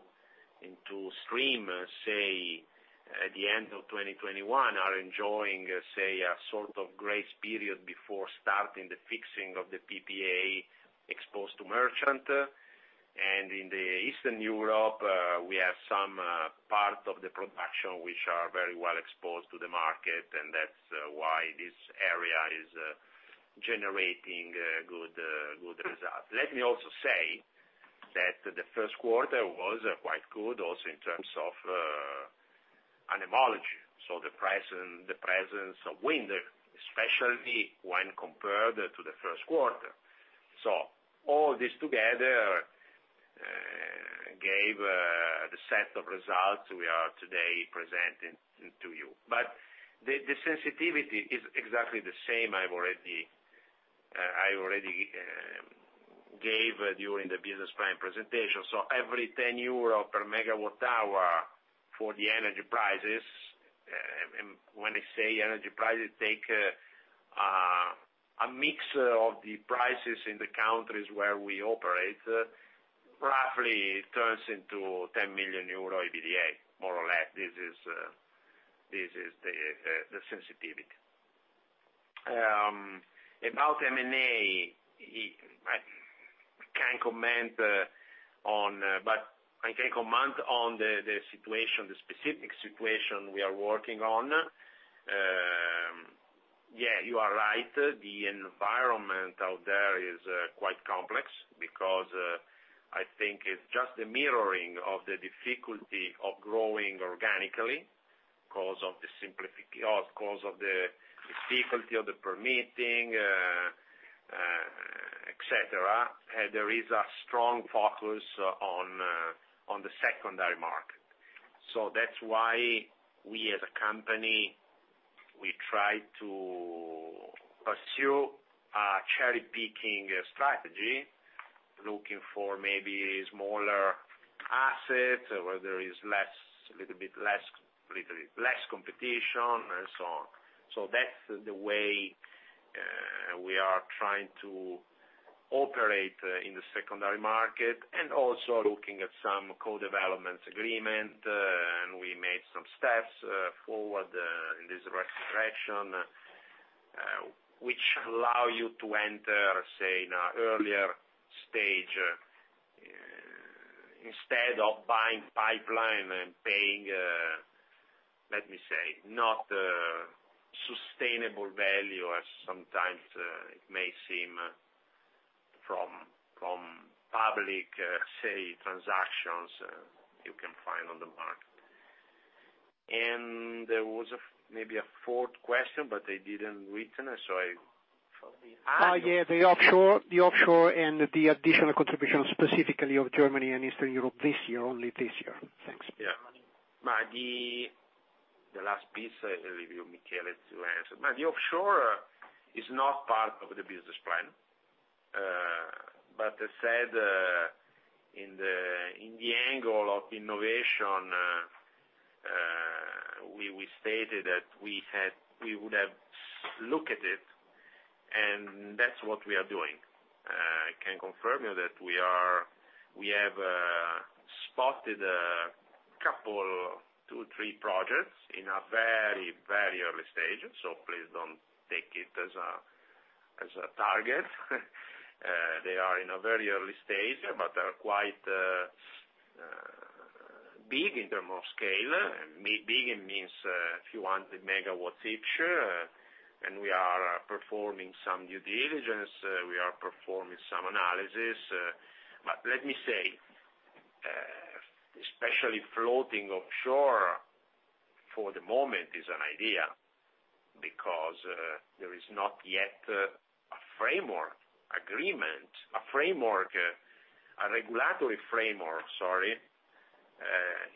S2: stream at the end of 2021 are enjoying a sort of grace period before starting the fixing of the PPA exposed to merchant. In Eastern Europe, we have some part of the production which are very well exposed to the market, and that's why this area is generating good result. Let me also say that the first quarter was quite good also in terms of anemology. The presence of wind, especially when compared to the first quarter. All this together gave the set of results we are today presenting to you. The sensitivity is exactly the same, I've already gave during the business plan presentation. Every 10 euro per MWh for the energy prices, and when I say energy prices, take a mix of the prices in the countries where we operate, roughly turns into 10 million euro EBITDA, more or less. This is the sensitivity. About M&A, I can't comment on. I can comment on the situation, the specific situation we are working on. Yeah, you are right. The environment out there is quite complex because I think it's just the mirroring of the difficulty of growing organically because of the difficulty of the permitting, et cetera. There is a strong focus on the secondary market. That's why we as a company, we try to pursue a cherry-picking strategy, looking for maybe smaller assets where there is a little less competition, and so on. That's the way we are trying to operate in the secondary market and also looking at some co-development agreement, and we made some steps forward in this direction, which allow you to enter, say, in a earlier stage, instead of buying pipeline and paying, let me say, not sustainable value as sometimes it may seem from public, say, transactions you can find on the market. There was maybe a fourth question, but I didn't written, so I probably.
S6: Yeah, the offshore and the additional contributions specifically of Germany and Eastern Europe this year, only this year. Thanks.
S2: Yeah. The last piece, I'll leave you Michele to answer. The offshore is not part of the business plan, but I said, in the angle of innovation, we stated that we would have look at it, and that's what we are doing. I can confirm you that we have spotted a couple, two, three projects in a very, very early stage, so please don't take it as a target. They are in a very early stage, but they are quite big in term of scale. Big, it means, a few hundred megawatts each. We are performing some due diligence, we are performing some analysis. Let me say, especially floating offshore, for the moment is an idea because there is not yet a framework agreement, a framework, a regulatory framework, sorry,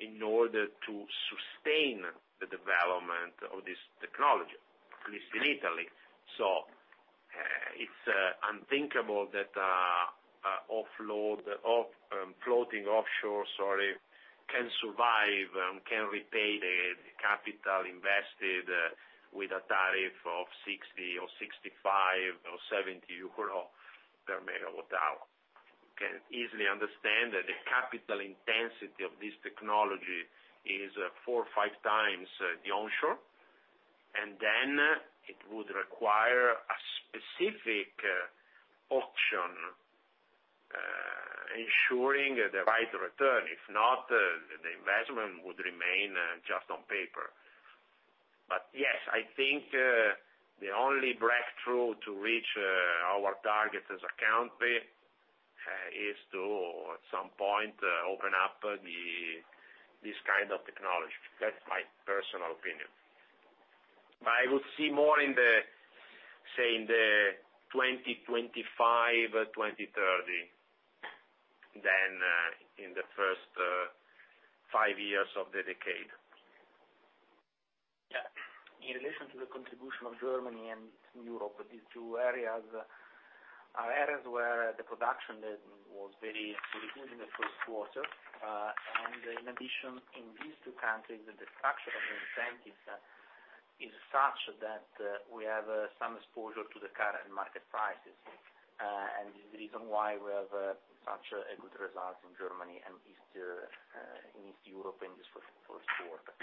S2: in order to sustain the development of this technology, at least in Italy. It's unthinkable that floating offshore can repay the capital invested with a tariff of 60 or 65 or 70 euro per megawatt hour. You can easily understand that the capital intensity of this technology is 4 or 5 times the onshore. It would require a specific auction ensuring the right return. If not, the investment would remain just on paper. Yes, I think the only breakthrough to reach our target as a country is to, at some point, open up this kind of technology. That's my personal opinion. I would see more, say, in the 2025, 2030, than in the first five years of the decade.
S3: Yeah. In relation to the contribution of Germany and Eastern Europe, these two areas are areas where the production was very poor in the first quarter. And in addition, in these two countries, the structure of the incentives is such that we have some exposure to the current market prices. And this is the reason why we have such a good result in Germany and in East Europe in this first quarter.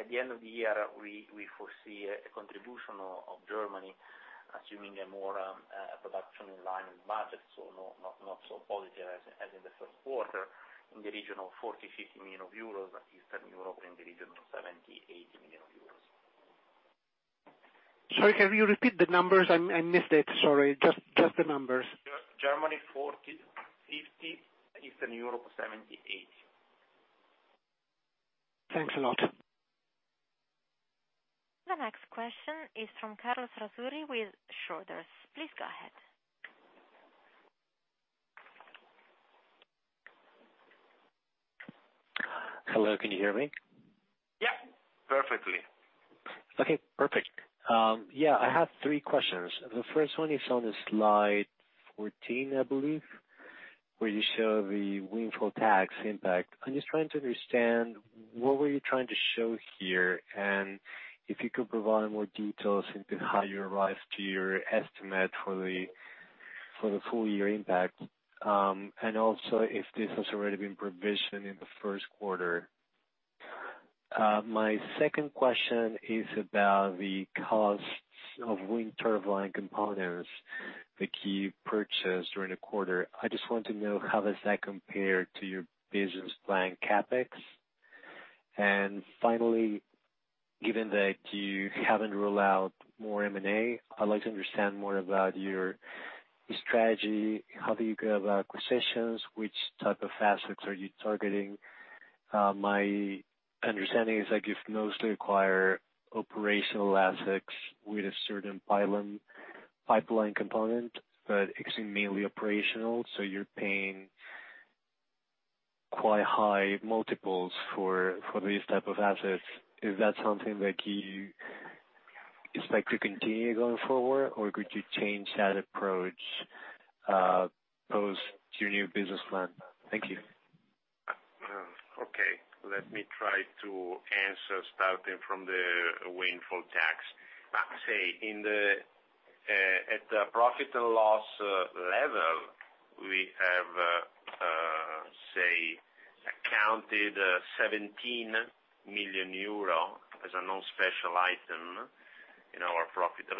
S3: At the end of the year, we foresee a contribution of Germany assuming a more production in line with budget, so not so positive as in the first quarter. In the region of 40-50 million euros, Eastern Europe in the region of 70-80 million euros.
S6: Sorry, can you repeat the numbers? I missed it, sorry. Just the numbers.
S3: Germany, 40-50. Eastern Europe, 70-80.
S6: Thanks a lot.
S1: The next question is from Carlos Razuri with Schroders. Please go ahead.
S7: Hello, can you hear me?
S2: Yeah, perfectly.
S7: Okay, perfect. Yeah, I have three questions. The first one is on the slide 14, I believe, where you show the windfall tax impact. I'm just trying to understand what were you trying to show here, and if you could provide more details into how you arrived to your estimate for the full year impact, and also if this has already been provisioned in the first quarter. My second question is about the costs of wind turbine components that you purchased during the quarter. I just want to know how does that compare to your business plan CapEx. Finally, given that you haven't ruled out more M&A, I'd like to understand more about your strategy. How do you go about acquisitions? Which type of assets are you targeting? My understanding is that you've mostly acquire operational assets with a certain pipeline component, but it's mainly operational, so you're paying quite high multiples for these type of assets. Is that something that you expect to continue going forward, or could you change that approach post your new business plan? Thank you.
S2: Okay. Let me try to answer, starting from the windfall tax. Say, at the profit and loss level, we have accounted 17 million euro as a non-special item in our reported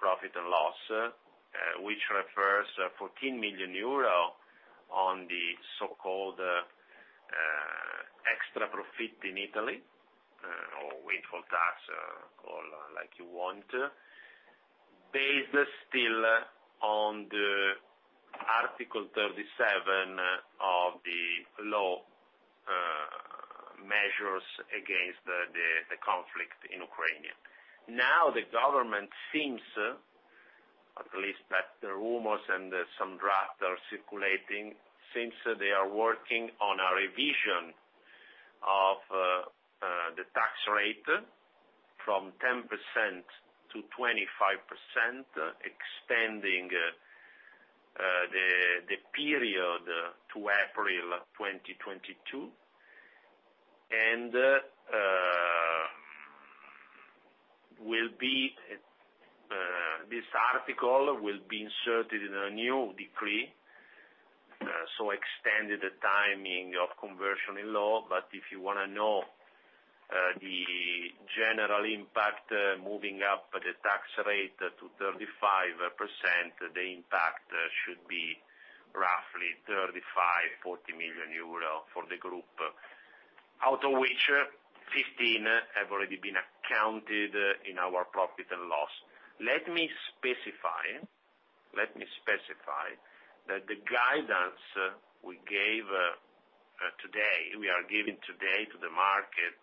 S2: profit and loss, which refers 14 million euro on the so-called extra profit in Italy, or windfall tax, call like you want. Based still on the Article 37 of the law measures against the conflict in Ukraine. Now, the government thinks, at least that the rumors and some drafts are circulating, they are working on a revision of the tax rate from 10%-25%, extending the period to April 2022. This article will be inserted in a new decree, so extended the timing of conversion in law. If you wanna know the general impact moving up the tax rate to 35%, the impact should be roughly 35-40 million euro for the group. Out of which 15 have already been accounted in our profit and loss. Let me specify that the guidance we gave today, we are giving today to the market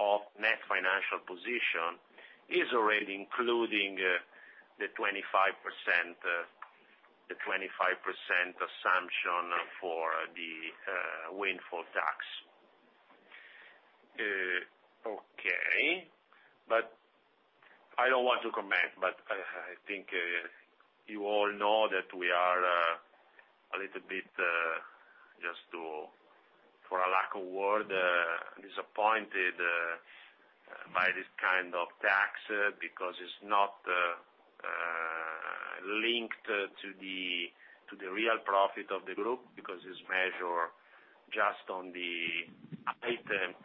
S2: of net financial position is already including the 25% assumption for the windfall tax. Okay. I don't want to comment, I think you all know that we are a little bit just for lack of a better word disappointed by this kind of tax because it's not linked to the real profit of the group, because it's measured just on the items,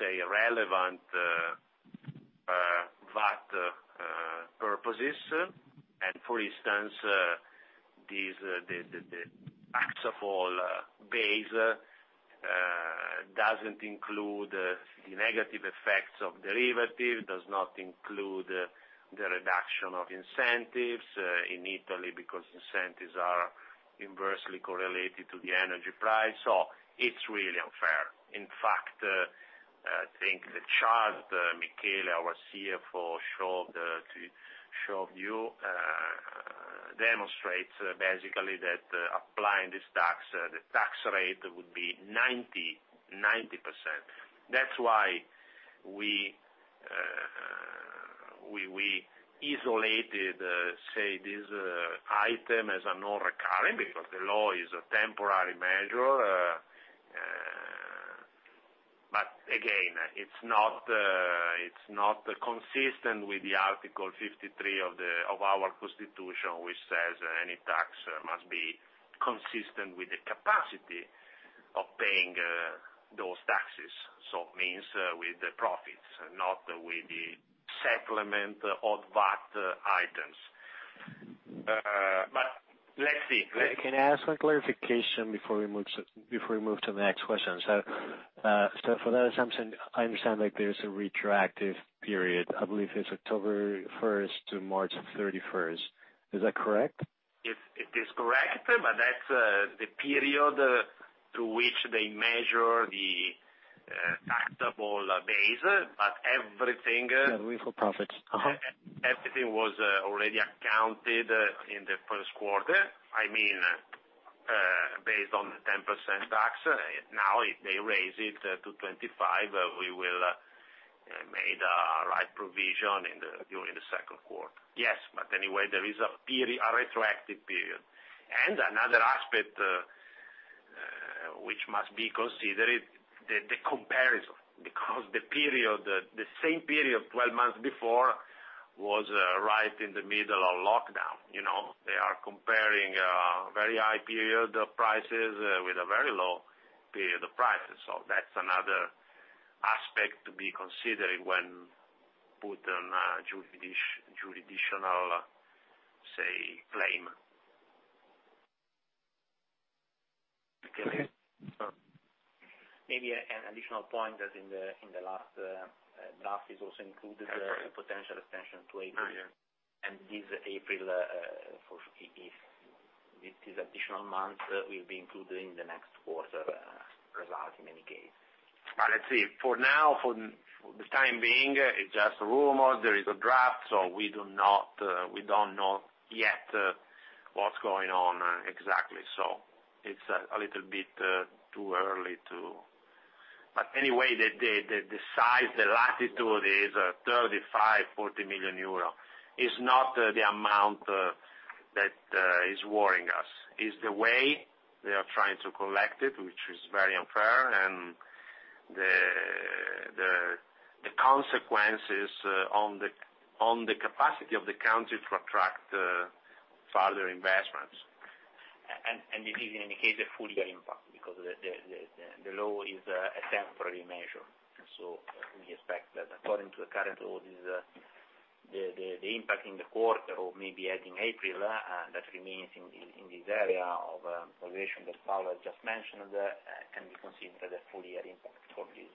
S2: say, relevant for VAT purposes. For instance, the taxable base doesn't include the negative effects of derivatives. It does not include the reduction of incentives in Italy because incentives are inversely correlated to the energy price. It's really unfair. In fact, I think the chart Michele, our CFO, showed you demonstrates basically that applying this tax, the tax rate would be 90%. That's why we isolated, say, this item as a non-recurring because the law is a temporary measure. Again, it's not consistent with the Article 53 of our constitution, which says any tax must be consistent with the capacity of paying those taxes. It means with the profits and not with the settlement of VAT items.
S7: Can I ask for clarification before we move to the next question? For that assumption, I understand, like, there's a retroactive period. I believe it's October 1st to March 31st. Is that correct?
S2: It is correct, but that's the period through which they measure the taxable base. Everything
S7: Yeah, legal profits.
S2: Everything was already accounted in the first quarter, I mean, based on the 10% tax. Now, if they raise it to 25, we will made right provision during the second quarter. Yes, but anyway, there is a retroactive period. Another aspect which must be considered, the comparison, because the period, the same period twelve months before was right in the middle of lockdown. You know, they are comparing very high period prices with a very low period prices. That's another aspect to be considered when put on a jurisdictional, say, claim.
S7: Okay.
S3: Maybe an additional point that in the last draft is also included the potential extension to April. This April, if this additional month will be included in the next quarter results in any case.
S2: For now, for the time being, it's just a rumor. There is a draft, so we don't know yet what's going on exactly. It's a little bit too early. Anyway, the size, the magnitude is 35-40 million euro. It's not the amount that is worrying us. It's the way they are trying to collect it, which is very unfair, and the consequences on the capacity of the country to attract further investments.
S3: This is, in any case, a full year impact because the law is a temporary measure. We expect that according to the current law, this is the impact in the quarter or maybe adding April, that remains in this area of valuation that Paolo just mentioned, can be considered a full year impact for this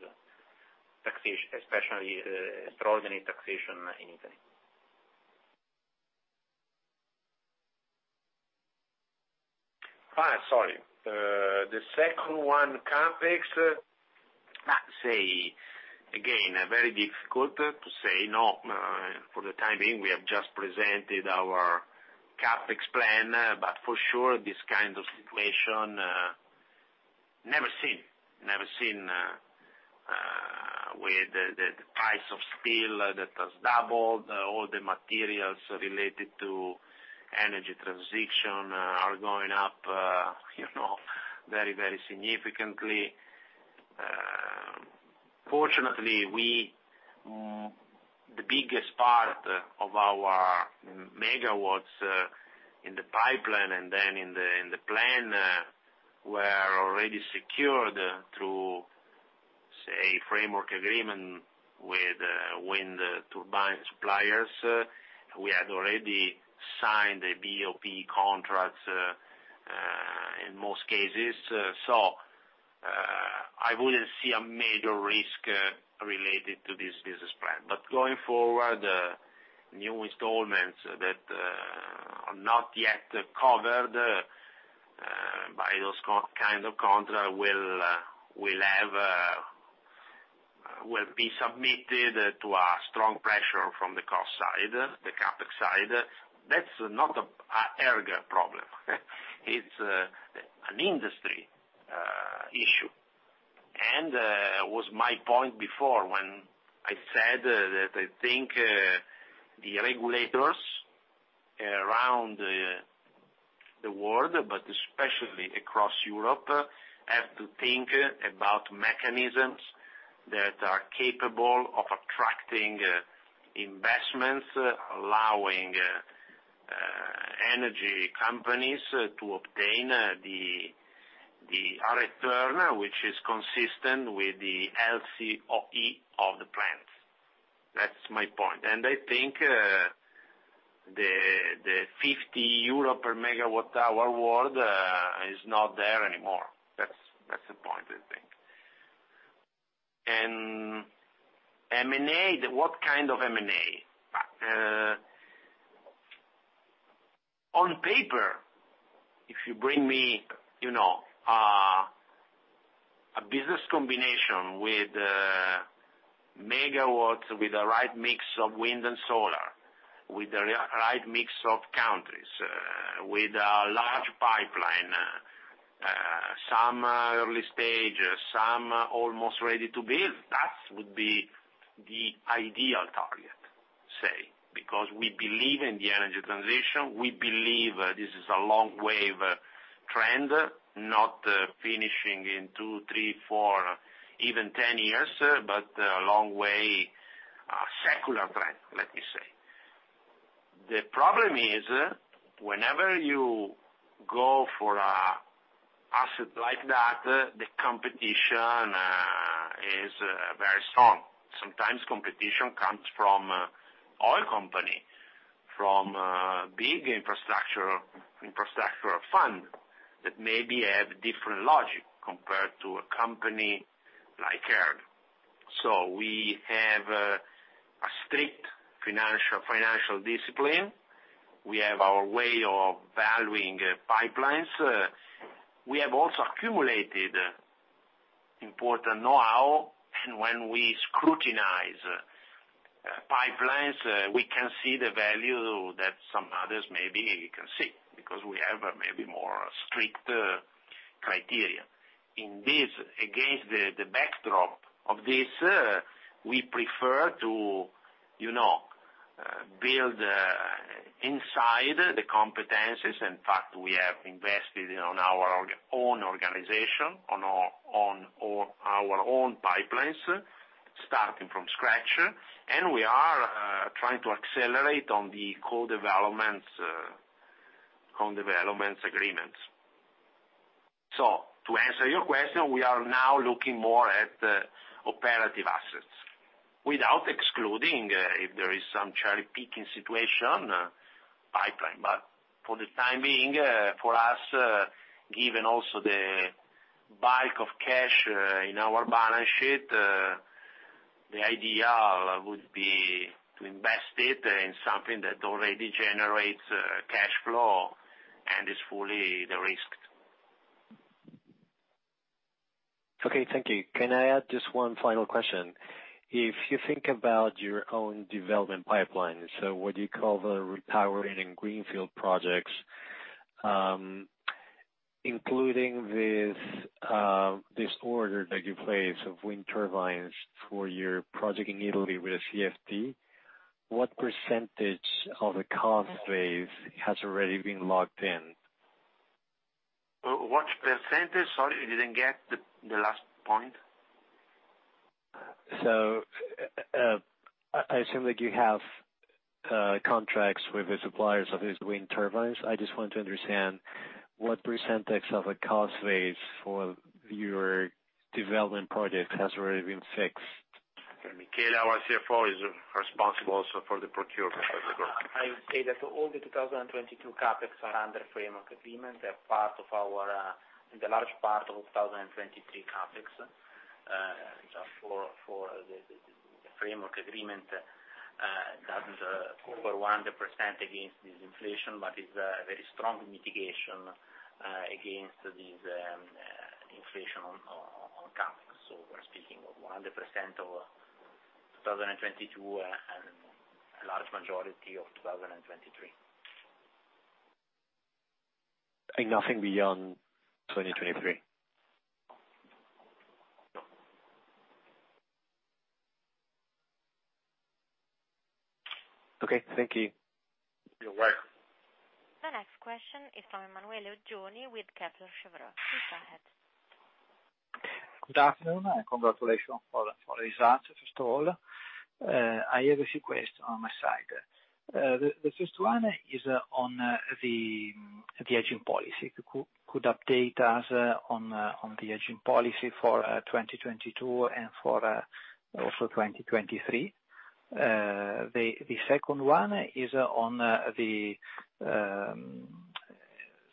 S3: taxation, especially extraordinary taxation in Italy.
S2: Sorry. The second one, CapEx, say again, very difficult to say no. For the time being, we have just presented our CapEx plan. For sure, this kind of situation never seen with the price of steel that has doubled, all the materials related to energy transition are going up, you know, very, very significantly. Fortunately, we the biggest part of our megawatts in the pipeline and then in the plan were already secured through, say, framework agreement with wind turbine suppliers. We had already signed the BOP contracts in most cases. I wouldn't see a major risk related to this business plan. Going forward, new installments that are not yet covered by those kind of contract will be submitted to a strong pressure from the cost side, the CapEx side. That's not a ERG problem. It's an industry issue. That was my point before when I said that I think the regulators around the world, but especially across Europe, have to think about mechanisms that are capable of attracting investments, allowing energy companies to obtain the return which is consistent with the LCOE of the plants. That's my point. I think the 50 euro per MWh world is not there anymore. That's the point, I think. M&A, what kind of M&A? On paper, if you bring me, you know, a business combination with megawatts, with the right mix of wind and solar, with the right mix of countries, with a large pipeline, some early stage, some almost ready to build, that would be the ideal target, say. Because we believe in the energy transition, we believe this is a long wave trend, not finishing in two, three, four, even ten years, but a long way, a secular trend, let me say. The problem is, the competition is very strong. Sometimes competition comes from oil company, from big infrastructure fund that maybe have different logic compared to a company like ERG. We have a strict financial discipline. We have our way of valuing pipelines. We have also accumulated important knowhow, and when we scrutinize pipelines, we can see the value that some others maybe can't see, because we have a maybe more strict criteria. In this, against the backdrop of this, we prefer to, you know, build inside the competencies. In fact, we have invested in our own organization, on our own pipelines, starting from scratch, and we are trying to accelerate on the co-development agreements. To answer your question, we are now looking more at the operative assets without excluding, if there is some cherry picking situation, pipeline. For the time being, for us, given also the bulk of cash in our balance sheet, the idea would be to invest it in something that already generates cash flow and is fully de-risked.
S7: Okay, thank you. Can I add just one final question? If you think about your own development pipeline, so what you call the retiring greenfield projects, including this order that you placed for wind turbines for your project in Italy with CFD, what percentage of the cost base has already been locked in?
S2: What percentage? Sorry, I didn't get the last point.
S7: I assume that you have contracts with the suppliers of these wind turbines. I just want to understand what percentage of the cost base for your development projects has already been fixed.
S2: Michele, our CFO, is responsible also for the procurement of the group.
S3: I would say that all the 2022 CapEx are under framework agreement. They're part of our, the large part of 2023 CapEx, just for the framework agreement, doesn't cover 100% against this inflation, but is a very strong mitigation against this inflation on CapEx. We're speaking of 100% of 2022 and a large majority of 2023.
S7: Nothing beyond 2023?
S3: No.
S7: Okay, thank you.
S2: You're welcome.
S1: The next question is from Emanuele Oggioni with Kepler Cheuvreux. Please go ahead.
S8: Good afternoon, congratulations for the results, first of all. I have a few questions on my side. The first one is on the hedging policy. Could you update us on the hedging policy for 2022 and also 2023. The second one is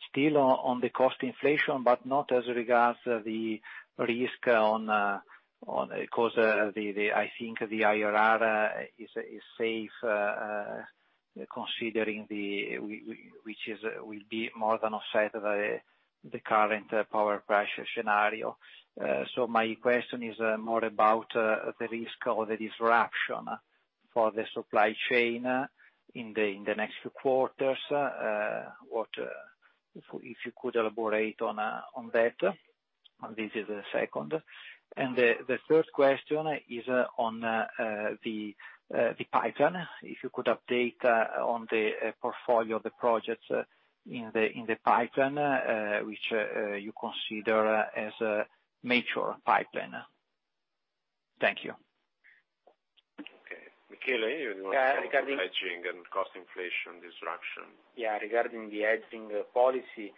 S8: still on the cost inflation, but not as regards the risk. Because I think the IRR is safe, considering it will be more than offset by the current power price scenario. My question is more about the risk or the disruption for the supply chain in the next few quarters. If you could elaborate on that. This is the second. The third question is on the pipeline. If you could update on the portfolio of the projects in the pipeline which you consider as a mature pipeline. Thank you.
S2: Okay. Michele, you wanna talk about the hedging and cost inflation disruption?
S3: Regarding the hedging policy,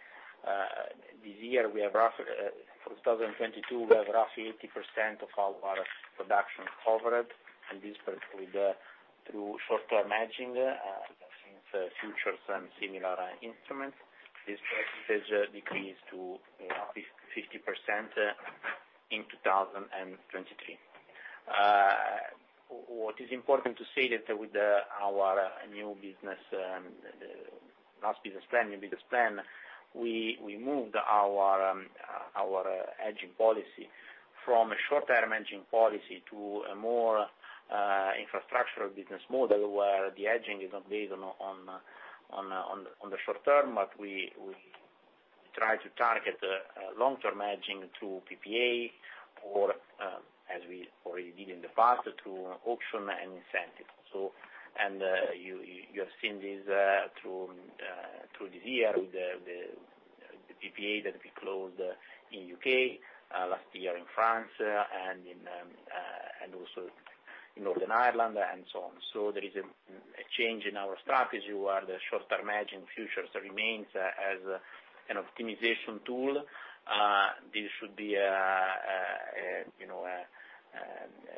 S3: this year, for 2022, we have roughly 80% of our production covered, and this is with, through short-term hedging, using futures and similar instruments. This percentage decreases to 50% in 2023. It is important to say that with our new business plan, we moved our hedging policy from a short-term hedging policy to a more infrastructure business model, where the hedging is not based on the short term, but we try to target long-term hedging through PPA or, as we already did in the past, through auction and incentives. You have seen this through this year with the PPA that we closed in U.K. last year in France and also in Italy, in Northern Ireland and so on. There is a change in our strategy, where the short-term hedging futures remains as an optimization tool. This should be, you know, a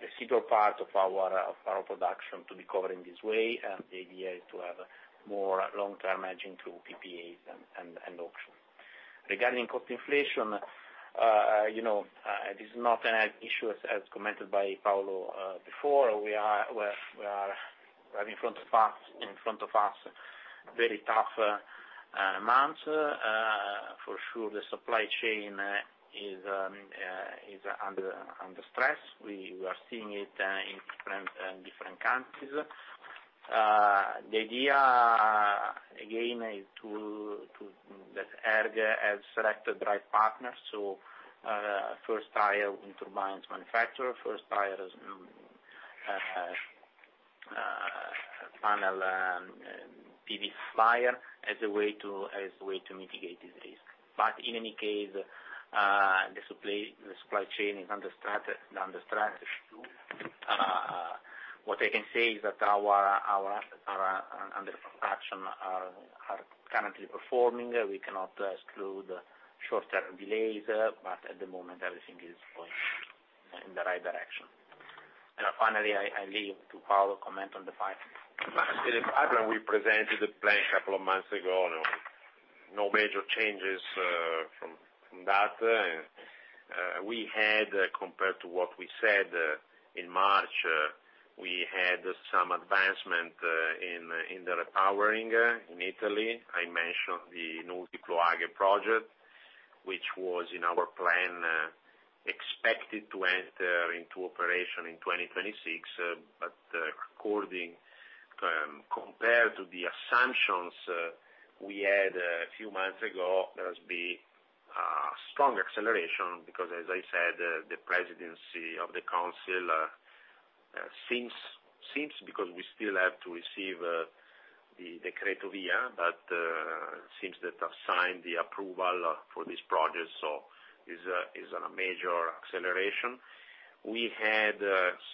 S3: residual part of our production to be covered in this way, and the idea is to have more long-term hedging through PPAs and auction. Regarding cost inflation, you know, it is not an issue, as commented by Paolo before. We have in front of us very tough months. For sure the supply chain is under stress. We are seeing it in different countries. The idea, again, is that ERG has selected the right partners, first-tier wind turbines manufacturer, first-tier panel PV supplier, as a way to mitigate this risk. In any case, the supply chain is under strain. What I can say is that our under construction are currently performing. We cannot exclude short-term delays, but at the moment, everything is going in the right direction. Finally, I leave to Paolo comment on the pipeline.
S2: The pipeline, we presented the plan a couple of months ago. No major changes from that. We had, compared to what we said in March, we had some advancement in the repowering in Italy. I mentioned the Montiflavo project, which was in our plan, expected to enter into operation in 2026, but compared to the assumptions we had a few months ago, there's been a strong acceleration, because as I said, the presidency of the council seems because we still have to receive the Decreto VIA, but seems that assigned the approval for this project, so it's a major acceleration. We had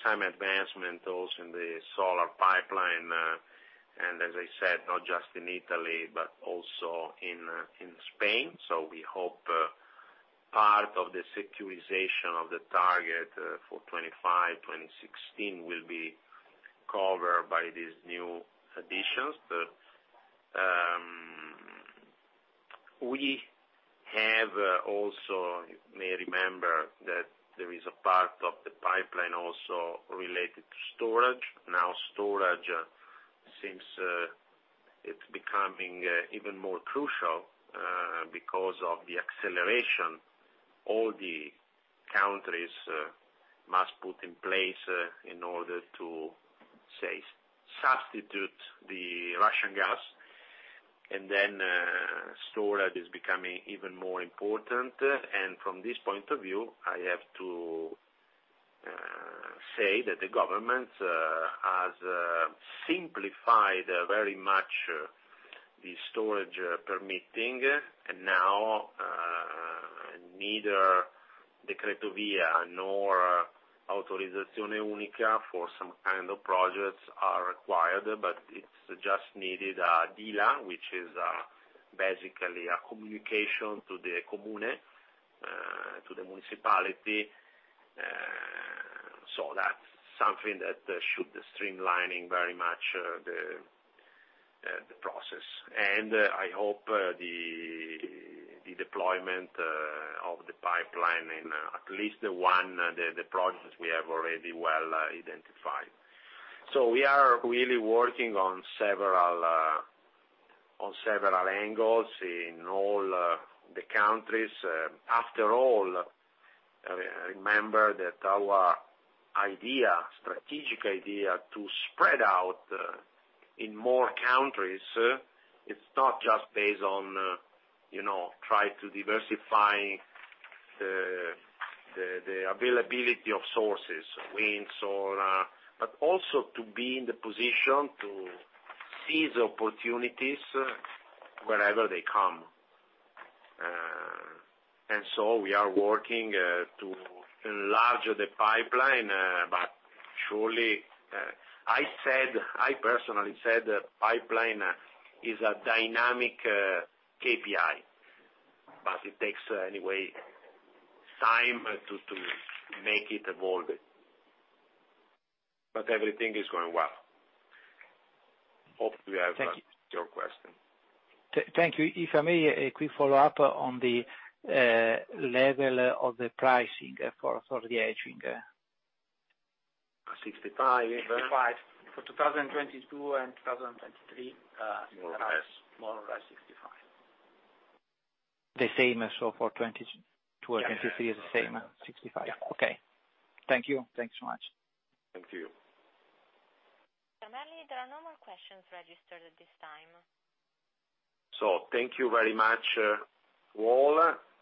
S2: some advancement also in the solar pipeline, and as I said, not just in Italy, but also in Spain. We hope part of the securitization of the target for 25, 2016 will be covered by these new additions. We have also, you may remember, that there is a part of the pipeline also related to storage. Now storage seems it's becoming even more crucial because of the acceleration all the countries must put in place in order to, say, substitute the Russian gas. Then storage is becoming even more important. From this point of view, I have to say that the government has simplified very much the storage permitting. Now neither Decreto VIA nor autorizzazione unica for some kind of projects are required, but it's just needed a DILA, which is basically a communication to the comune to the municipality. That's something that should streamline very much the process. I hope the deployment of the pipeline in at least one, the projects we have already well identified. We are really working on several angles in all the countries. Remember that our strategic idea to spread out in more countries, it's not just based on, you know, trying to diversify the availability of sources, wind, solar, but also to be in the position to seize opportunities wherever they come. We are working to enlarge the pipeline, but surely, I personally said the pipeline is a dynamic KPI, but it takes anyway time to make it evolve. Everything is going well. Hope we have answered your question.
S8: Thank you. If I may, a quick follow-up on the level of the pricing for the hedging.
S2: 65.
S3: 65.
S2: For 2022 and 2023, uh.
S3: More or less.
S2: More or less 65.
S3: The same as for 2022 and 2023 is the same, 65.
S2: Yeah.
S3: Okay. Thank you. Thanks so much.
S2: Thank you.
S1: Primarily, there are no more questions registered at this time.
S2: Thank you very much to all,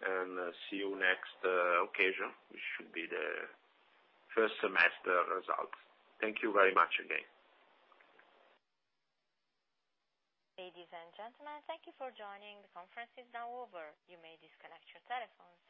S2: and see you next occasion, which should be the first semester results. Thank you very much again.
S1: Ladies and gentlemen, thank you for joining. The conference is now over. You may disconnect your telephones.